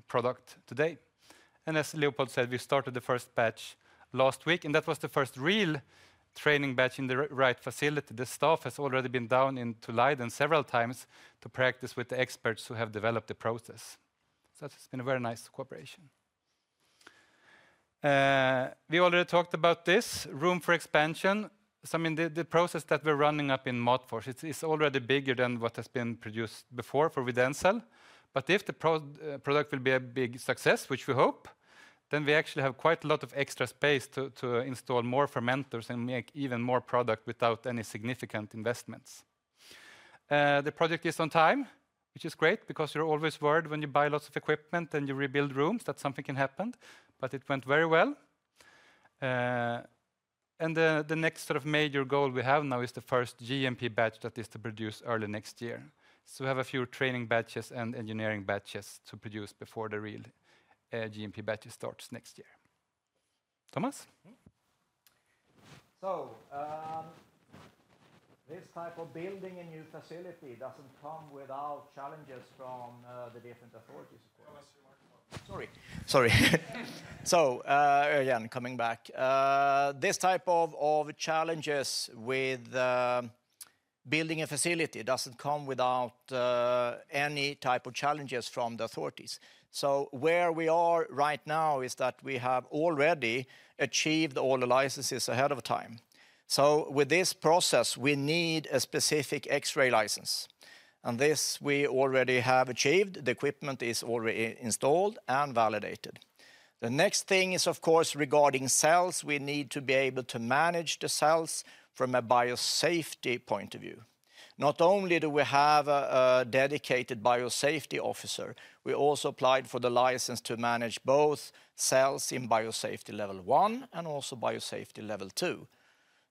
product today. As Leopold said, we started the first batch last week, and that was the first real training batch in the right facility. The staff has already been down to Leiden several times to practice with the experts who have developed the process. So that's been a very nice cooperation. We already talked about this, room for expansion. So, I mean, the process that we're running up in Matfors, it's already bigger than what has been produced before for vididencel. But if the product will be a big success, which we hope, then we actually have quite a lot of extra space to install more fermenters and make even more product without any significant investments. The project is on time, which is great because you're always worried when you buy lots of equipment and you rebuild rooms, that something can happen, but it went very well. And the next sort of major goal we have now is the first GMP batch that is to produce early next year. So we have a few training batches and engineering batches to produce before the real GMP batch starts next year. Tomas? This type of building a new facility doesn't come without challenges from the different authorities. Tomas, your microphone. Sorry. Sorry. So, again, coming back. This type of challenges with building a facility doesn't come without any type of challenges from the authorities. So where we are right now is that we have already achieved all the licenses ahead of time. So with this process, we need a specific X-ray license, and this we already have achieved. The equipment is already installed and validated. The next thing is, of course, regarding cells. We need to be able to manage the cells from a biosafety point of view. Not only do we have a dedicated biosafety officer, we also applied for the license to manage both cells in biosafety level one and also biosafety level two.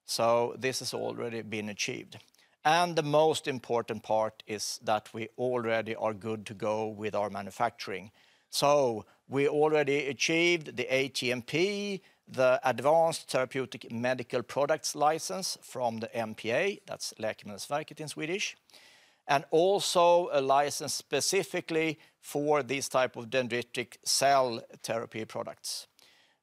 So this has already been achieved. And the most important part is that we already are good to go with our manufacturing. So we already achieved the ATMP, the Advanced Therapy Medicinal Product license from the MPA. That's Läkemedelsverket in Swedish, and also a license specifically for these type of dendritic cell therapy products.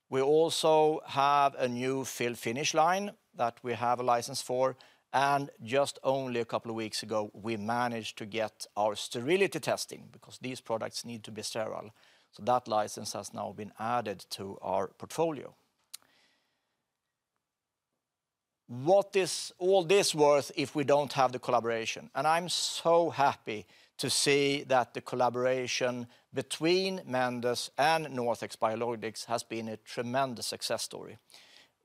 We also have a new fill finish line that we have a license for, and just only a couple of weeks ago, we managed to get our sterility testing, because these products need to be sterile. So that license has now been added to our portfolio. What is all this worth if we don't have the collaboration? And I'm so happy to see that the collaboration between Mendus and NorthX Biologics has been a tremendous success story.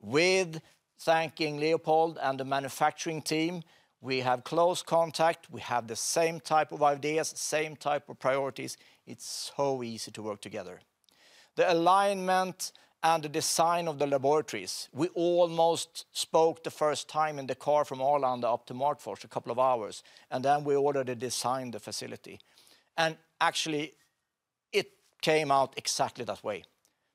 With thanking Leopold and the manufacturing team, we have close contact, we have the same type of ideas, same type of priorities. It's so easy to work together. The alignment and the design of the laboratories, we almost spoke the first time in the car from Arlanda up to Matfors, a couple of hours, and then we ordered to design the facility. And actually, it came out exactly that way,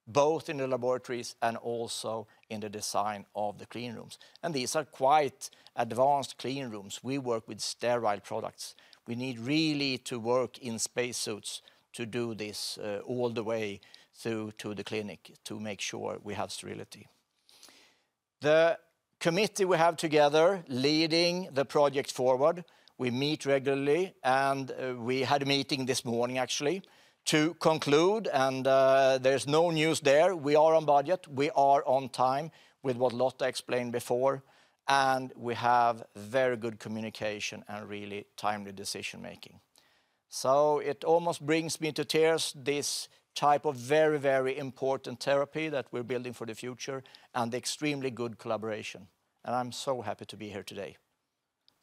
both in the laboratories and also in the design of the clean rooms, and these are quite advanced clean rooms. We work with sterile products. We need really to work in spacesuits to do this, all the way through to the clinic to make sure we have sterility. The committee we have together leading the project forward, we meet regularly, and we had a meeting this morning, actually, to conclude, and there's no news there. We are on budget, we are on time with what Lotta explained before, and we have very good communication and really timely decision-making. It almost brings me to tears, this type of very, very important therapy that we're building for the future and the extremely good collaboration, and I'm so happy to be here today.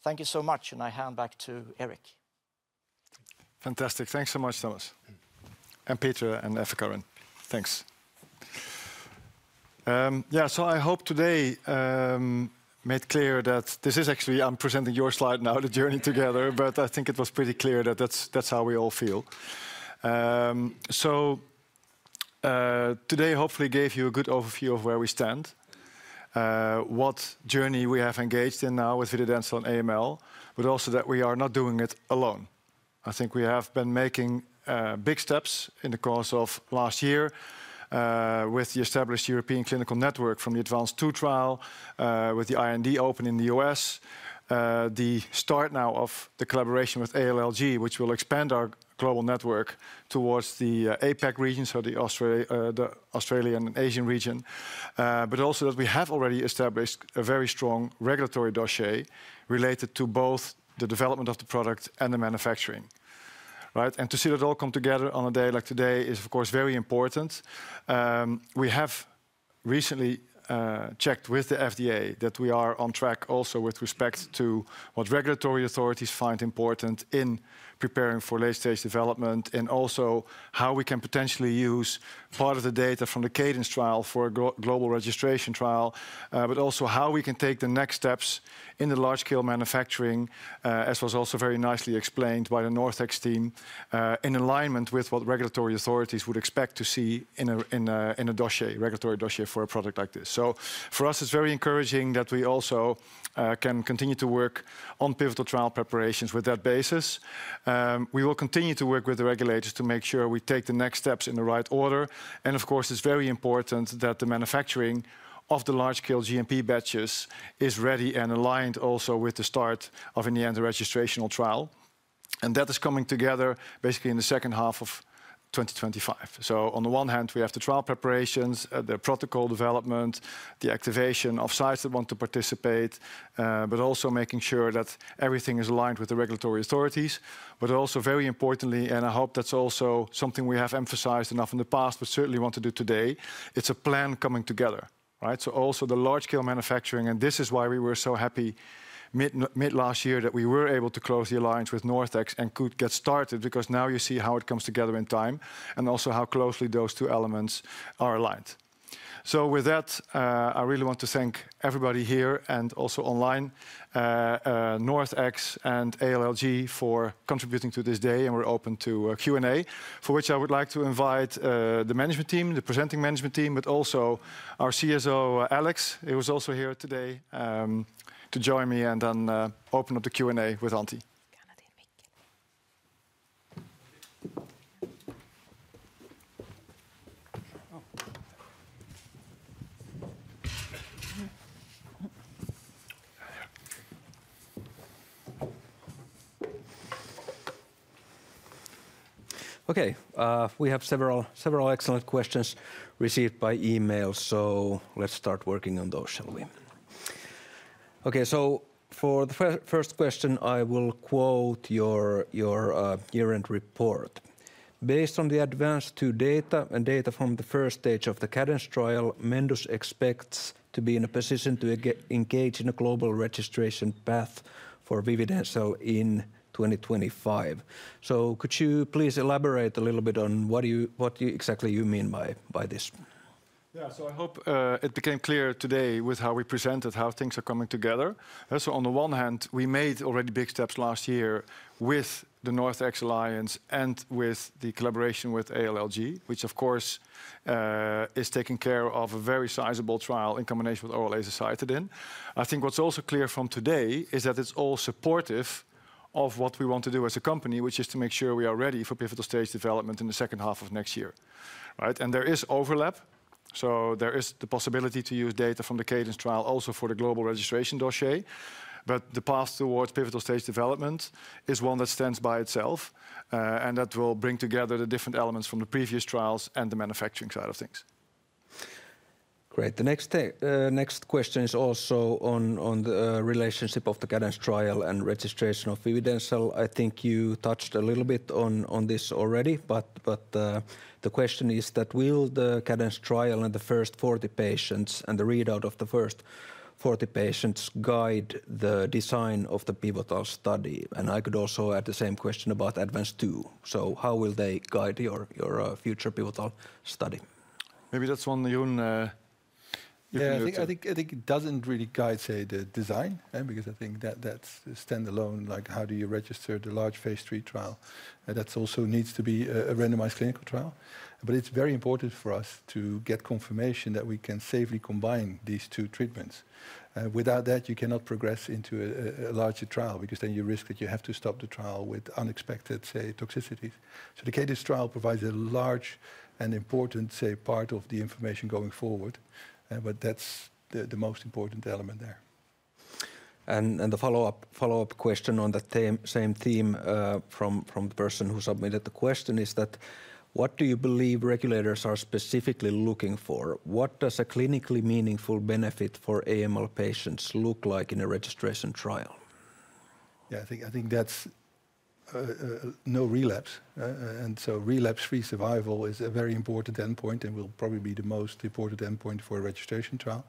Thank you so much, and I hand back to Erik. Fantastic. Thanks so much, Tomas, and Peter and Eva-Karin. Thanks. So I hope today made clear that this is actually... I'm presenting your slide now, the journey together, but I think it was pretty clear that that's, that's how we all feel. So today hopefully gave you a good overview of where we stand, what journey we have engaged in now with vididencel and AML, but also that we are not doing it alone. I think we have been making big steps in the course of last year, with the established European clinical network from the ADVANCE II trial, with the IND open in the US. The start now of the collaboration with ALLG, which will expand our global network towards the APAC region, so the Australian and Asian region. But also that we have already established a very strong regulatory dossier related to both the development of the product and the manufacturing, right? And to see that all come together on a day like today is, of course, very important. We have recently checked with the FDA that we are on track also with respect to what regulatory authorities find important in preparing for late-stage development, and also how we can potentially use part of the data from the CADENCE trial for a go-global registration trial. But also how we can take the next steps in the large-scale manufacturing, as was also very nicely explained by the NorthX team, in alignment with what regulatory authorities would expect to see in a dossier, regulatory dossier for a product like this. So for us, it's very encouraging that we also can continue to work on pivotal trial preparations with that basis. We will continue to work with the regulators to make sure we take the next steps in the right order. And of course, it's very important that the manufacturing of the large-scale GMP batches is ready and aligned also with the start of, in the end, the registrational trial, and that is coming together basically in the second half of 2025. So on the one hand, we have the trial preparations, the protocol development, the activation of sites that want to participate, but also making sure that everything is aligned with the regulatory authorities. But also very importantly, and I hope that's also something we have emphasized enough in the past, but certainly want to do today, it's a plan coming together, right? So also the large-scale manufacturing, and this is why we were so happy mid last year that we were able to close the alliance with NorthX and could get started, because now you see how it comes together in time, and also how closely those two elements are aligned. So with that, I really want to thank everybody here and also online, NorthX and ALLG for contributing to this day, and we're open to a Q&A, for which I would like to invite the management team, the presenting management team, but also our CSO, Alex, who is also here today, to join me and then open up the Q&A with Antti. Okay, we have several excellent questions received by email, so let's start working on those, shall we? Okay, so for the first question, I will quote your year-end report. "Based on the ADVANCE II data and data from the first stage of the CADENCE trial, Mendus expects to be in a position to get engaged in a global registration path for vididencel in 2025." So could you please elaborate a little bit on what do you exactly mean by this? Yeah. So I hope it became clear today with how we presented, how things are coming together. So on the one hand, we made already big steps last year with the NorthX alliance and with the collaboration with ALLG, which of course is taking care of a very sizable trial in combination with oral azacitidine. I think what's also clear from today is that it's all supportive of what we want to do as a company, which is to make sure we are ready for pivotal stage development in the second half of next year, right? And there is overlap, so there is the possibility to use data from the Cadence trial also for the global registration dossier. The path towards pivotal stage development is one that stands by itself, and that will bring together the different elements from the previous trials and the manufacturing side of things. Great. The next thing... next question is also on the relationship of the Cadence trial and registration of vididencel. I think you touched a little bit on this already, but the question is that will the Cadence trial and the first 40 patients, and the readout of the first 40 patients guide the design of the pivotal study? And I could also add the same question about ADVANCE II. So how will they guide your future pivotal study? Maybe that's one, Jeroen. Give you a chance. Yeah, I think it doesn't really guide, say, the design, because I think that that's standalone, like how do you register the large phase three trial? And that's also needs to be a randomized clinical trial. But it's very important for us to get confirmation that we can safely combine these two treatments. Without that, you cannot progress into a larger trial, because then you risk that you have to stop the trial with unexpected, say, toxicities. So the Cadence trial provides a large and important, say, part of the information going forward, but that's the most important element there. And the follow-up question on the same theme from the person who submitted the question is that: What do you believe regulators are specifically looking for? What does a clinically meaningful benefit for AML patients look like in a registration trial? Yeah, I think that's no relapse. And so relapse-free survival is a very important endpoint and will probably be the most important endpoint for a registration trial,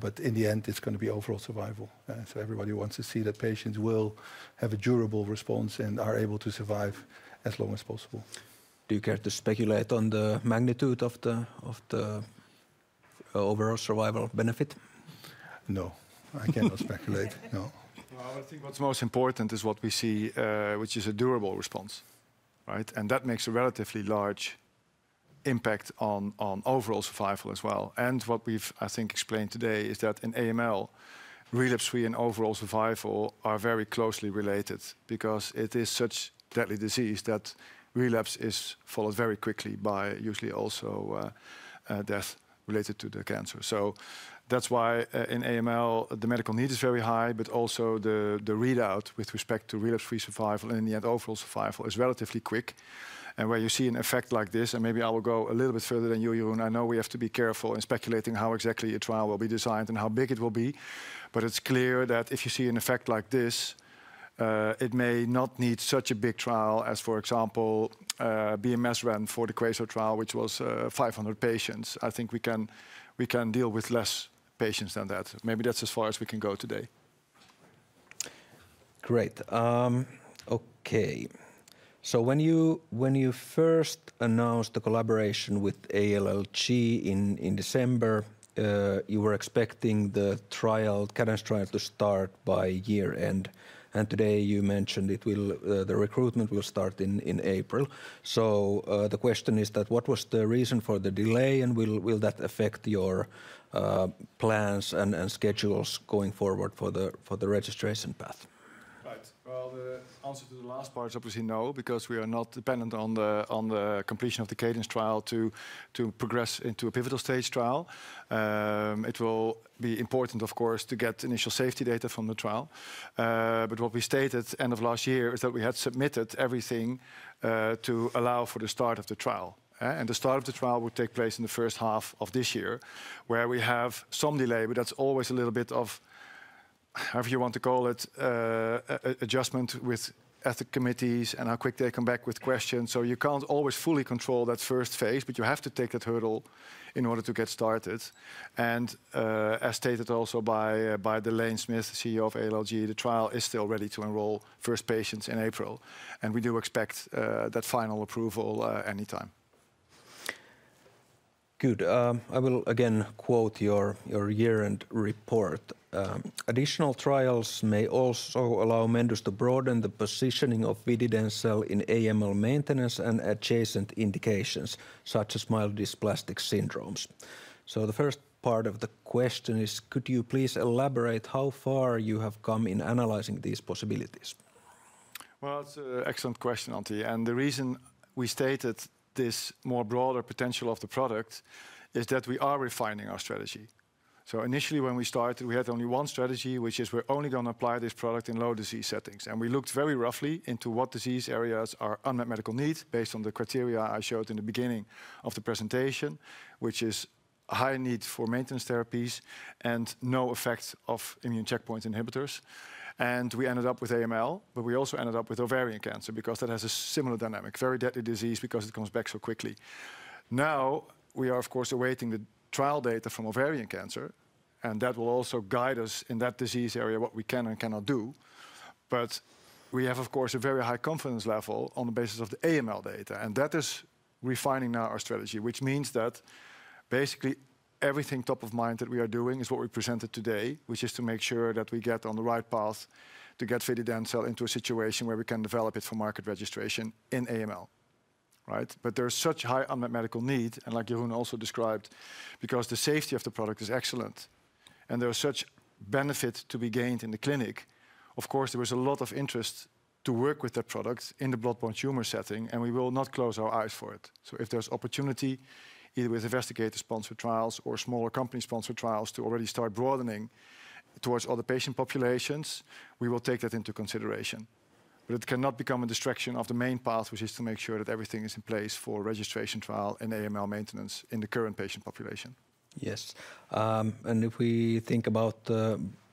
but in the end, it's gonna be overall survival. So everybody wants to see that patients will have a durable response and are able to survive as long as possible. Do you care to speculate on the magnitude of the overall survival benefit? No, I cannot speculate. No. Well, I think what's most important is what we see, which is a durable response, right? And that makes a relatively large impact on, on overall survival as well. And what we've, I think, explained today is that in AML, relapse-free and overall survival are very closely related because it is such a deadly disease that relapse is followed very quickly by usually also, death related to the cancer. So that's why in AML, the medical need is very high, but also the, the readout with respect to relapse-free survival and in the end overall survival, is relatively quick. And where you see an effect like this, and maybe I will go a little bit further than you, Jeroen. I know we have to be careful in speculating how exactly a trial will be designed and how big it will be, but it's clear that if you see an effect like this, it may not need such a big trial as, for example, BMS ran for the QUASAR trial, which was 500 patients. I think we can, we can deal with less patients than that. Maybe that's as far as we can go today. Great. Okay. So when you first announced the collaboration with ALLG in December, you were expecting the trial, CADENCE trial, to start by year-end, and today you mentioned the recruitment will start in April. So, the question is that, what was the reason for the delay, and will that affect your plans and schedules going forward for the registration path? Right. Well, the answer to the last part is obviously no, because we are not dependent on the completion of the CADENCE trial to progress into a pivotal stage trial. It will be important, of course, to get initial safety data from the trial. But what we stated end of last year is that we had submitted everything to allow for the start of the trial, eh? And the start of the trial would take place in the first half of this year, where we have some delay, but that's always a little bit of, however you want to call it, an adjustment with ethics committees and how quick they come back with questions. So you can't always fully control that first phase, but you have to take that hurdle in order to get started. As stated also by Delaine Smith, CEO of ALLG, the trial is still ready to enroll first patients in April, and we do expect that final approval anytime. Good. I will again quote your year-end report: "Additional trials may also allow Mendus to broaden the positioning of vididencel in AML maintenance and adjacent indications, such as myelodysplastic syndromes." So the first part of the question is, could you please elaborate how far you have come in analyzing these possibilities? Well, it's an excellent question, Antti, and the reason we stated this more broader potential of the product is that we are refining our strategy. So initially, when we started, we had only one strategy, which is we're only gonna apply this product in low disease settings. And we looked very roughly into what disease areas are unmet medical needs, based on the criteria I showed in the beginning of the presentation, which is high need for maintenance therapies and no effects of immune checkpoint inhibitors. And we ended up with AML, but we also ended up with ovarian cancer because that has a similar dynamic, very deadly disease, because it comes back so quickly. Now, we are of course awaiting the trial data from ovarian cancer, and that will also guide us in that disease area, what we can and cannot do. But we have, of course, a very high confidence level on the basis of the AML data, and that is refining now our strategy, which means that basically everything top of mind that we are doing is what we presented today, which is to make sure that we get on the right path to get vididencel into a situation where we can develop it for market registration in AML. Right? But there is such high unmet medical need, and like Jeroen also described, because the safety of the product is excellent and there is such benefit to be gained in the clinic, of course, there was a lot of interest to work with that product in the blood borne tumor setting, and we will not close our eyes for it. So if there's opportunity, either with investigator-sponsored trials or smaller company-sponsored trials, to already start broadening towards other patient populations, we will take that into consideration. But it cannot become a distraction of the main path, which is to make sure that everything is in place for registration trial and AML maintenance in the current patient population. Yes. And if we think about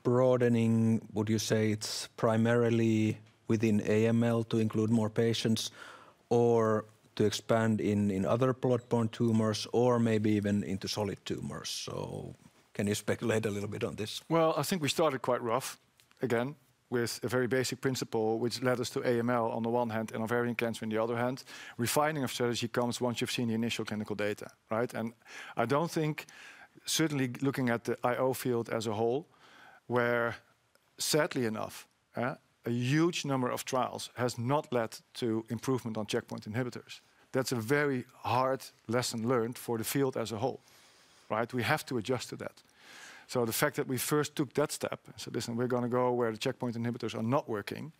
broadening, would you say it's primarily within AML to include more patients or to expand in other blood borne tumors or maybe even into solid tumors? So can you speculate a little bit on this? Well, I think we started quite rough, again, with a very basic principle, which led us to AML on the one hand and ovarian cancer on the other hand. Refining of strategy comes once you've seen the initial clinical data, right? And I don't think... certainly, looking at the IO field as a whole, where sadly enough, a huge number of trials has not led to improvement on checkpoint inhibitors. That's a very hard lesson learned for the field as a whole, right? We have to adjust to that. So the fact that we first took that step and said, "Listen, we're gonna go where the checkpoint inhibitors are not working,"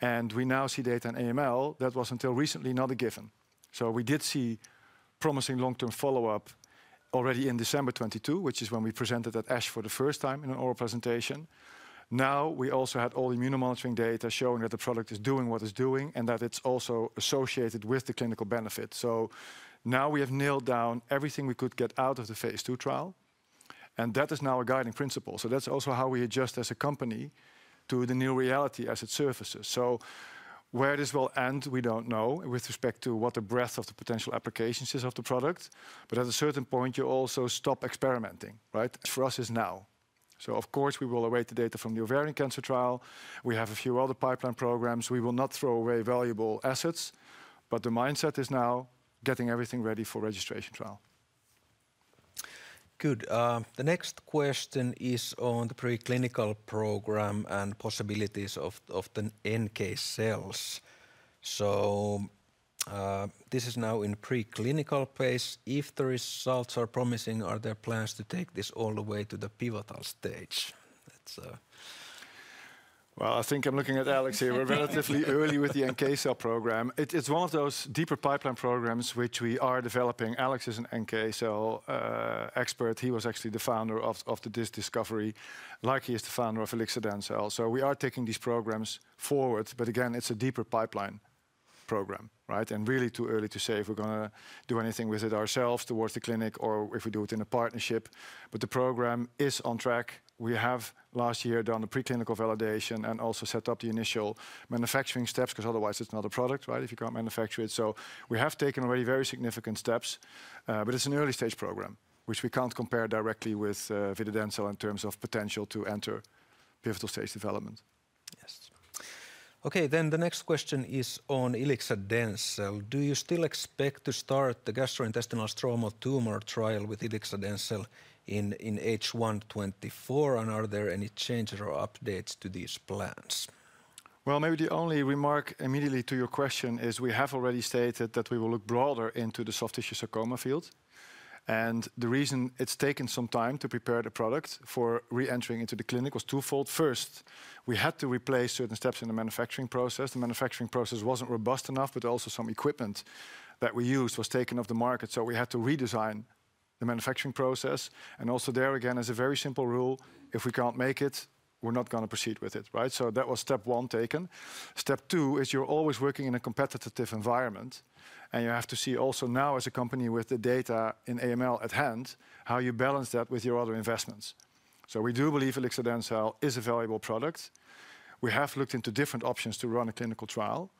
and we now see data in AML, that was, until recently, not a given. So we did see promising long-term follow-up already in December 2022, which is when we presented at ASH for the first time in an oral presentation. Now, we also have all immunomonitoring data showing that the product is doing what it's doing, and that it's also associated with the clinical benefit. So now we have nailed down everything we could get out of the phase 2 trial, and that is now a guiding principle. So that's also how we adjust as a company to the new reality as it surfaces. So where this will end, we don't know, with respect to what the breadth of the potential applications is of the product, but at a certain point, you also stop experimenting, right? For us, it's now.... So of course, we will await the data from the ovarian cancer trial. We have a few other pipeline programs. We will not throw away valuable assets, but the mindset is now getting everything ready for registration trial. Good. The next question is on the preclinical program and possibilities of the NK cells. So, this is now in preclinical phase. If the results are promising, are there plans to take this all the way to the pivotal stage? That's... Well, I think I'm looking at Alex here. We're relatively early with the NK cell program. It is one of those deeper pipeline programs which we are developing. Alex is an NK cell expert. He was actually the founder of this discovery, like he is the founder of ilixadencel. So we are taking these programs forward, but again, it's a deeper pipeline program, right? And really too early to say if we're gonna do anything with it ourselves towards the clinic or if we do it in a partnership, but the program is on track. We have last year done a preclinical validation and also set up the initial manufacturing steps, 'cause otherwise it's not a product, right? If you can't manufacture it. We have taken already very significant steps, but it's an early-stage program, which we can't compare directly with vididencel in terms of potential to enter pivotal stage development. Yes. Okay, then the next question is on ilixadencel. Do you still expect to start the gastrointestinal stromal tumor trial with ilixadencel in H1 2024, and are there any changes or updates to these plans? Well, maybe the only remark immediately to your question is we have already stated that we will look broader into the soft tissue sarcoma field, and the reason it's taken some time to prepare the product for re-entering into the clinic was twofold. First, we had to replace certain steps in the manufacturing process. The manufacturing process wasn't robust enough, but also some equipment that we used was taken off the market, so we had to redesign the manufacturing process. And also there, again, is a very simple rule: if we can't make it, we're not gonna proceed with it, right? So that was step one taken. Step two is you're always working in a competitive environment, and you have to see also now as a company with the data in AML at hand, how you balance that with your other investments. So we do believe ilixadencel is a valuable product. We have looked into different options to run a clinical trial.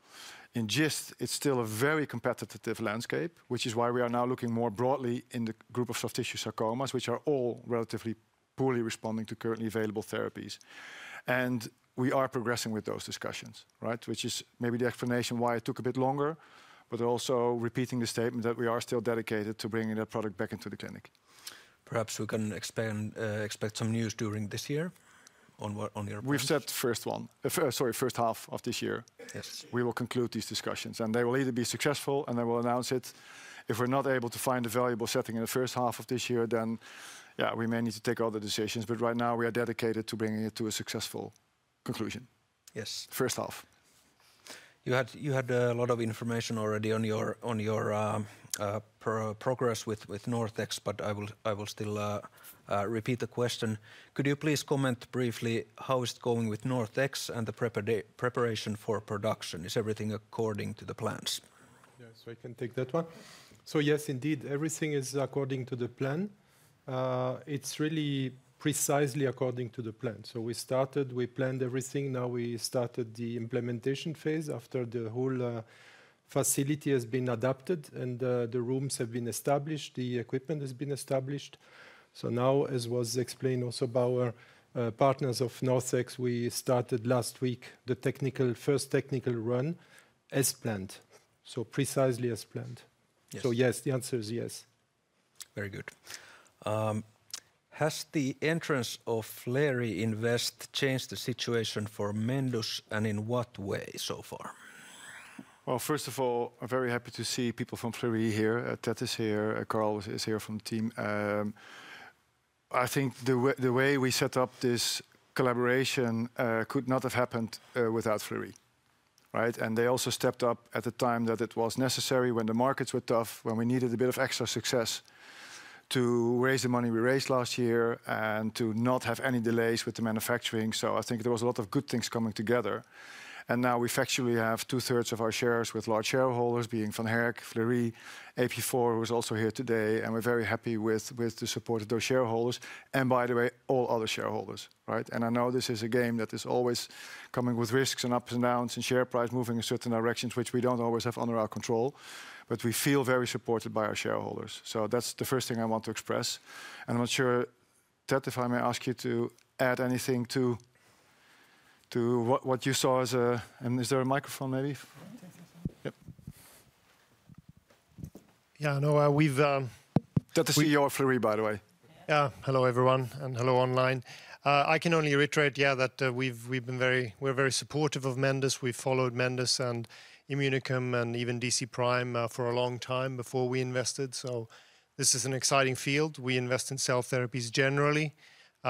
In GIST, it's still a very competitive landscape, which is why we are now looking more broadly in the group of soft tissue sarcomas, which are all relatively poorly responding to currently available therapies. And we are progressing with those discussions, right? Which is maybe the explanation why it took a bit longer, but also repeating the statement that we are still dedicated to bringing that product back into the clinic. Perhaps we can expand, expect some news during this year on what, on your plans. We've said first half of this year- Yes We will conclude these discussions, and they will either be successful, and I will announce it. If we're not able to find a valuable setting in the first half of this year, then, yeah, we may need to take other decisions, but right now we are dedicated to bringing it to a successful conclusion. Yes. First half. You had a lot of information already on your progress with NorthX, but I will still repeat the question. Could you please comment briefly, how is it going with NorthX and the preparation for production? Is everything according to the plans? Yes, so I can take that one. So yes, indeed, everything is according to the plan. It's really precisely according to the plan. So we started, we planned everything. Now, we started the implementation phase after the whole facility has been adapted and the rooms have been established, the equipment has been established. So now, as was explained also by our partners of NorthX, we started last week, the first technical run as planned. So precisely as planned. Yes. Yes, the answer is yes. Very good. Has the entrance of Flerie Invest changed the situation for Mendus, and in what way so far? Well, first of all, I'm very happy to see people from Flerie here. Ted is here, Carl is here from the team. I think the way we set up this collaboration could not have happened without Flerie, right? And they also stepped up at the time that it was necessary, when the markets were tough, when we needed a bit of extra success to raise the money we raised last year, and to not have any delays with the manufacturing. So I think there was a lot of good things coming together, and now we factually have two-thirds of our shares with large shareholders, being Van Herk, Flerie, AP4, who is also here today, and we're very happy with the support of those shareholders and by the way, all other shareholders, right? I know this is a game that is always coming with risks and ups and downs, and share price moving in certain directions, which we don't always have under our control, but we feel very supported by our shareholders. That's the first thing I want to express, and I'm not sure, Ted, if I may ask you to add anything to what you saw as. Is there a microphone, maybe? Yeah, there's one. Yep. Yeah, no, we've... Ted is the CEO of Flerie, by the way. Yeah. Hello, everyone, and hello, online. I can only reiterate, yeah, that we've been very supportive of Mendus. We've followed Mendus and Immunicum, and even DC Prime, for a long time before we invested, so this is an exciting field. We invest in cell therapies generally.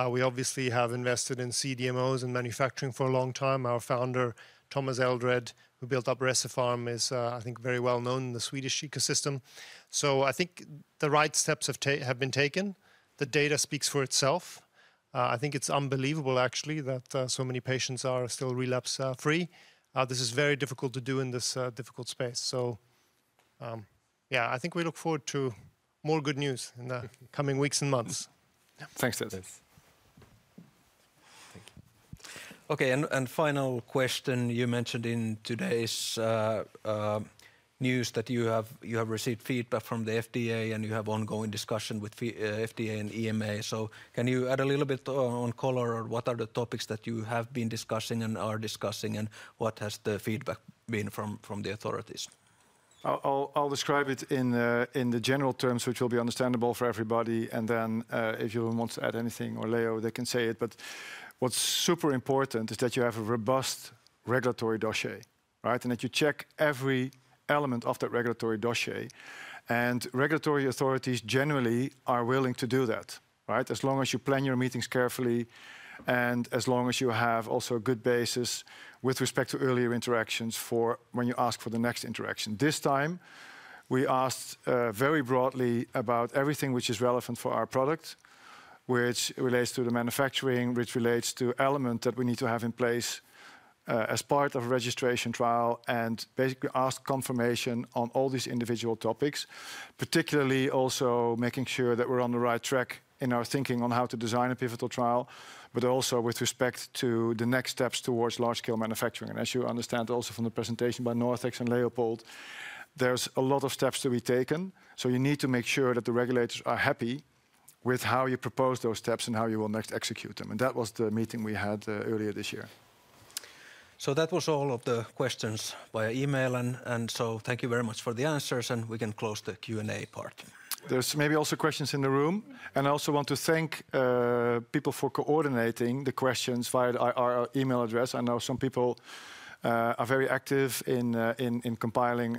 We obviously have invested in CDMOs and manufacturing for a long time. Our founder, Tomas Eldred, who built up Recipharm, is, I think, very well known in the Swedish ecosystem. So I think the right steps have been taken. The data speaks for itself. I think it's unbelievable, actually, that so many patients are still relapse free. This is very difficult to do in this difficult space. So, yeah, I think we look forward to more good news in the coming weeks and months. Yeah. Thanks, Ted. Yes. Okay, and final question, you mentioned in today's news that you have received feedback from the FDA, and you have ongoing discussion with FDA and EMA. So can you add a little bit on color, or what are the topics that you have been discussing and are discussing, and what has the feedback been from the authorities? I'll describe it in general terms, which will be understandable for everybody, and then if you want to add anything or Leo, they can say it. But what's super important is that you have a robust regulatory dossier, right? And that you check every element of that regulatory dossier, and regulatory authorities generally are willing to do that, right? As long as you plan your meetings carefully, and as long as you have also a good basis with respect to earlier interactions for when you ask for the next interaction. This time, we asked very broadly about everything which is relevant for our product, which relates to the manufacturing, which relates to element that we need to have in place as part of a registration trial, and basically ask confirmation on all these individual topics. Particularly also making sure that we're on the right track in our thinking on how to design a pivotal trial, but also with respect to the next steps towards large-scale manufacturing. As you understand also from the presentation by NorthX and Leopold, there's a lot of steps to be taken, so you need to make sure that the regulators are happy with how you propose those steps and how you will next execute them, and that was the meeting we had earlier this year. So that was all of the questions via email, and so thank you very much for the answers, and we can close the Q&A part. There's maybe also questions in the room, and I also want to thank people for coordinating the questions via our email address. I know some people are very active in compiling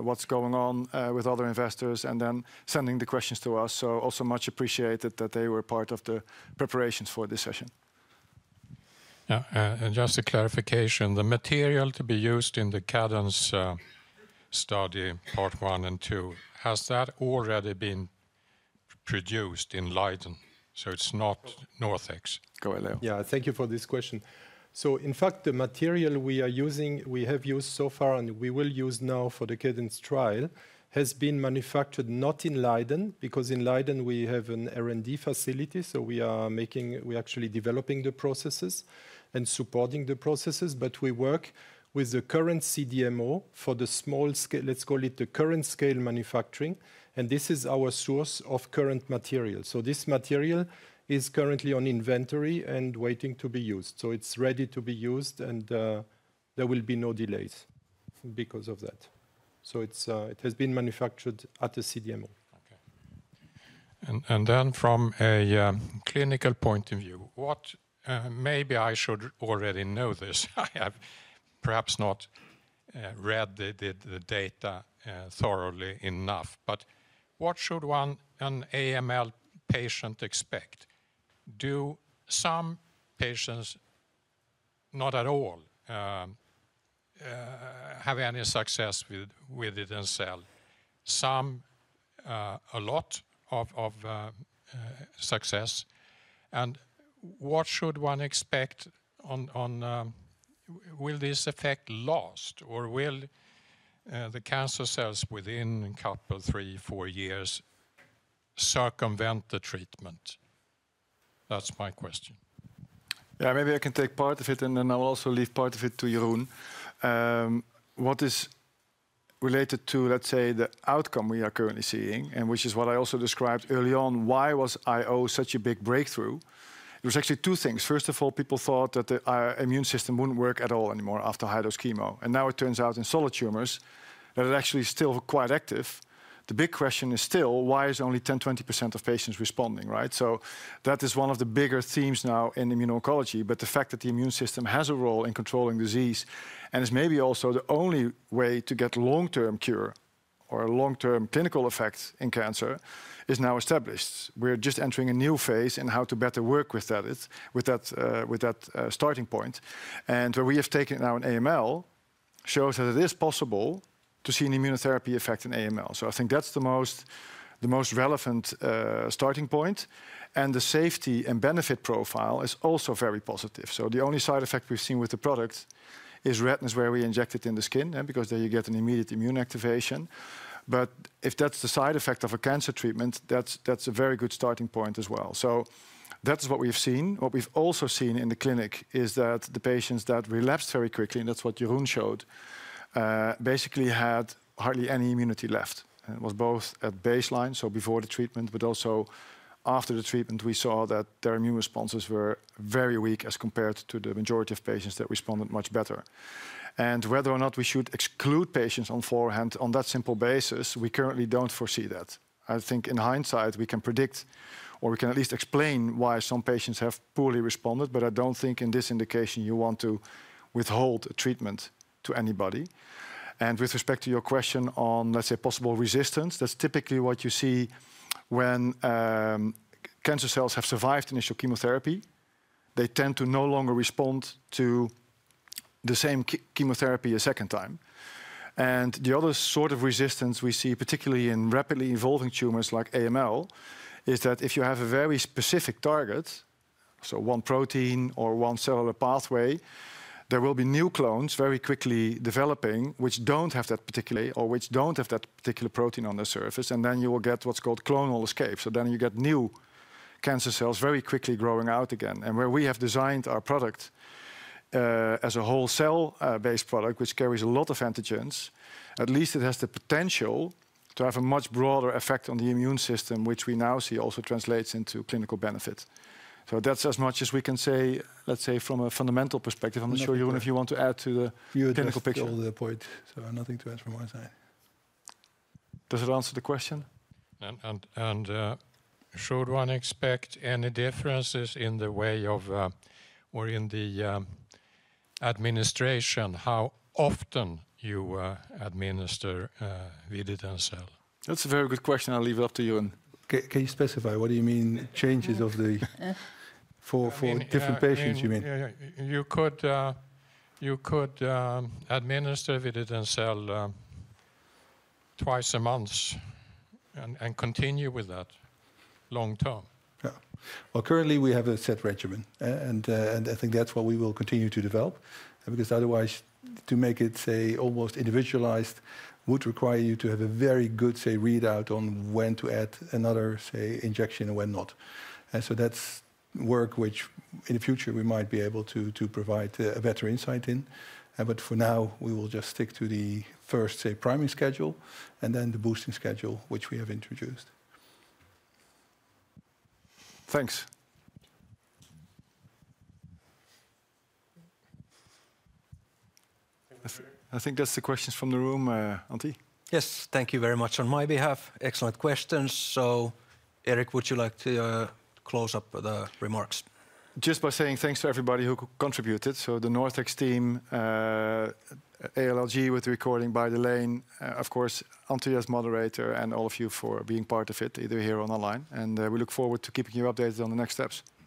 what's going on with other investors and then sending the questions to us, so also much appreciated that they were part of the preparations for this session. Yeah, and just a clarification, the material to be used in the CADENCE study, part one and two, has that already been produced in Leiden? So it's not NorthX. Go, Leo. Yeah, thank you for this question. So in fact, the material we are using, we have used so far, and we will use now for the CADENCE trial, has been manufactured not in Leiden, because in Leiden we have an R&D facility, so we are making... We're actually developing the processes and supporting the processes. But we work with the current CDMO for the small scale, let's call it the current scale manufacturing, and this is our source of current material. So this material is currently on inventory and waiting to be used. So it's ready to be used, and there will be no delays because of that. So it's, it has been manufactured at the CDMO. Okay. And then from a clinical point of view, what maybe I should already know this, I have perhaps not read the data thoroughly enough, but what should one, an AML patient expect? Do some patients not at all have any success with vididencel, some a lot of success? And what should one expect on... Will this effect last, or will the cancer cells within a couple, three, four years circumvent the treatment? That's my question. Yeah, maybe I can take part of it, and then I'll also leave part of it to Jeroen. What is related to, let's say, the outcome we are currently seeing, and which is what I also described early on, why was IO such a big breakthrough? It was actually two things. First of all, people thought that our immune system wouldn't work at all anymore after high-dose chemo, and now it turns out in solid tumors that it actually is still quite active. The big question is still: Why is only 10%-20% of patients responding, right? So that is one of the bigger themes now in immuno-oncology, but the fact that the immune system has a role in controlling disease and is maybe also the only way to get long-term cure or long-term clinical effects in cancer, is now established. We're just entering a new phase in how to better work with that starting point. And where we have taken now in AML shows that it is possible to see an immunotherapy effect in AML. So I think that's the most relevant starting point, and the safety and benefit profile is also very positive. So the only side effect we've seen with the product is redness where we inject it in the skin, because there you get an immediate immune activation. But if that's the side effect of a cancer treatment, that's a very good starting point as well. So that's what we've seen. What we've also seen in the clinic is that the patients that relapsed very quickly, and that's what Jeroen showed, basically had hardly any immunity left, and it was both at baseline, so before the treatment, but also after the treatment, we saw that their immune responses were very weak as compared to the majority of patients that responded much better. And whether or not we should exclude patients beforehand, on that simple basis, we currently don't foresee that. I think in hindsight, we can predict or we can at least explain why some patients have poorly responded, but I don't think in this indication you want to withhold treatment to anybody. And with respect to your question on, let's say, possible resistance, that's typically what you see when cancer cells have survived initial chemotherapy. They tend to no longer respond to the same chemotherapy a second time. The other sort of resistance we see, particularly in rapidly evolving tumors like AML, is that if you have a very specific target, so one protein or one cellular pathway, there will be new clones very quickly developing, which don't have that particular protein on the surface, and then you will get what's called clonal escape. So then you get new cancer cells very quickly growing out again. Where we have designed our product as a whole cell based product, which carries a lot of antigens, at least it has the potential to have a much broader effect on the immune system, which we now see also translates into clinical benefit. That's as much as we can say, let's say from a fundamental perspective. I'm not sure even if you want to add to the clinical picture. You addressed all the points, so nothing to add from my side. Does it answer the question? Should one expect any differences in the way of or in the administration, how often you administer vididencel? That's a very good question. I'll leave it up to you and- Can you specify what do you mean changes of the ... For different patients, you mean? Yeah, yeah. You could, you could, administer vididencel, twice a month and, and continue with that long term. Yeah. Well, currently, we have a set regimen, and I think that's what we will continue to develop. Because otherwise, to make it, say, almost individualized, would require you to have a very good, say, readout on when to add another, say, injection and when not. And so that's work, which in the future, we might be able to provide a better insight in. But for now, we will just stick to the first, say, priming schedule, and then the boosting schedule, which we have introduced. Thanks. I think that's the questions from the room, Antti. Yes, thank you very much on my behalf. Excellent questions. So Erik, would you like to close up the remarks? Just by saying thanks to everybody who contributed, so the NorthX team, ALLG, with recording by the Lane, of course, Antti as moderator, and all of you for being part of it, either here or online. And we look forward to keeping you updated on the next steps. Thanks.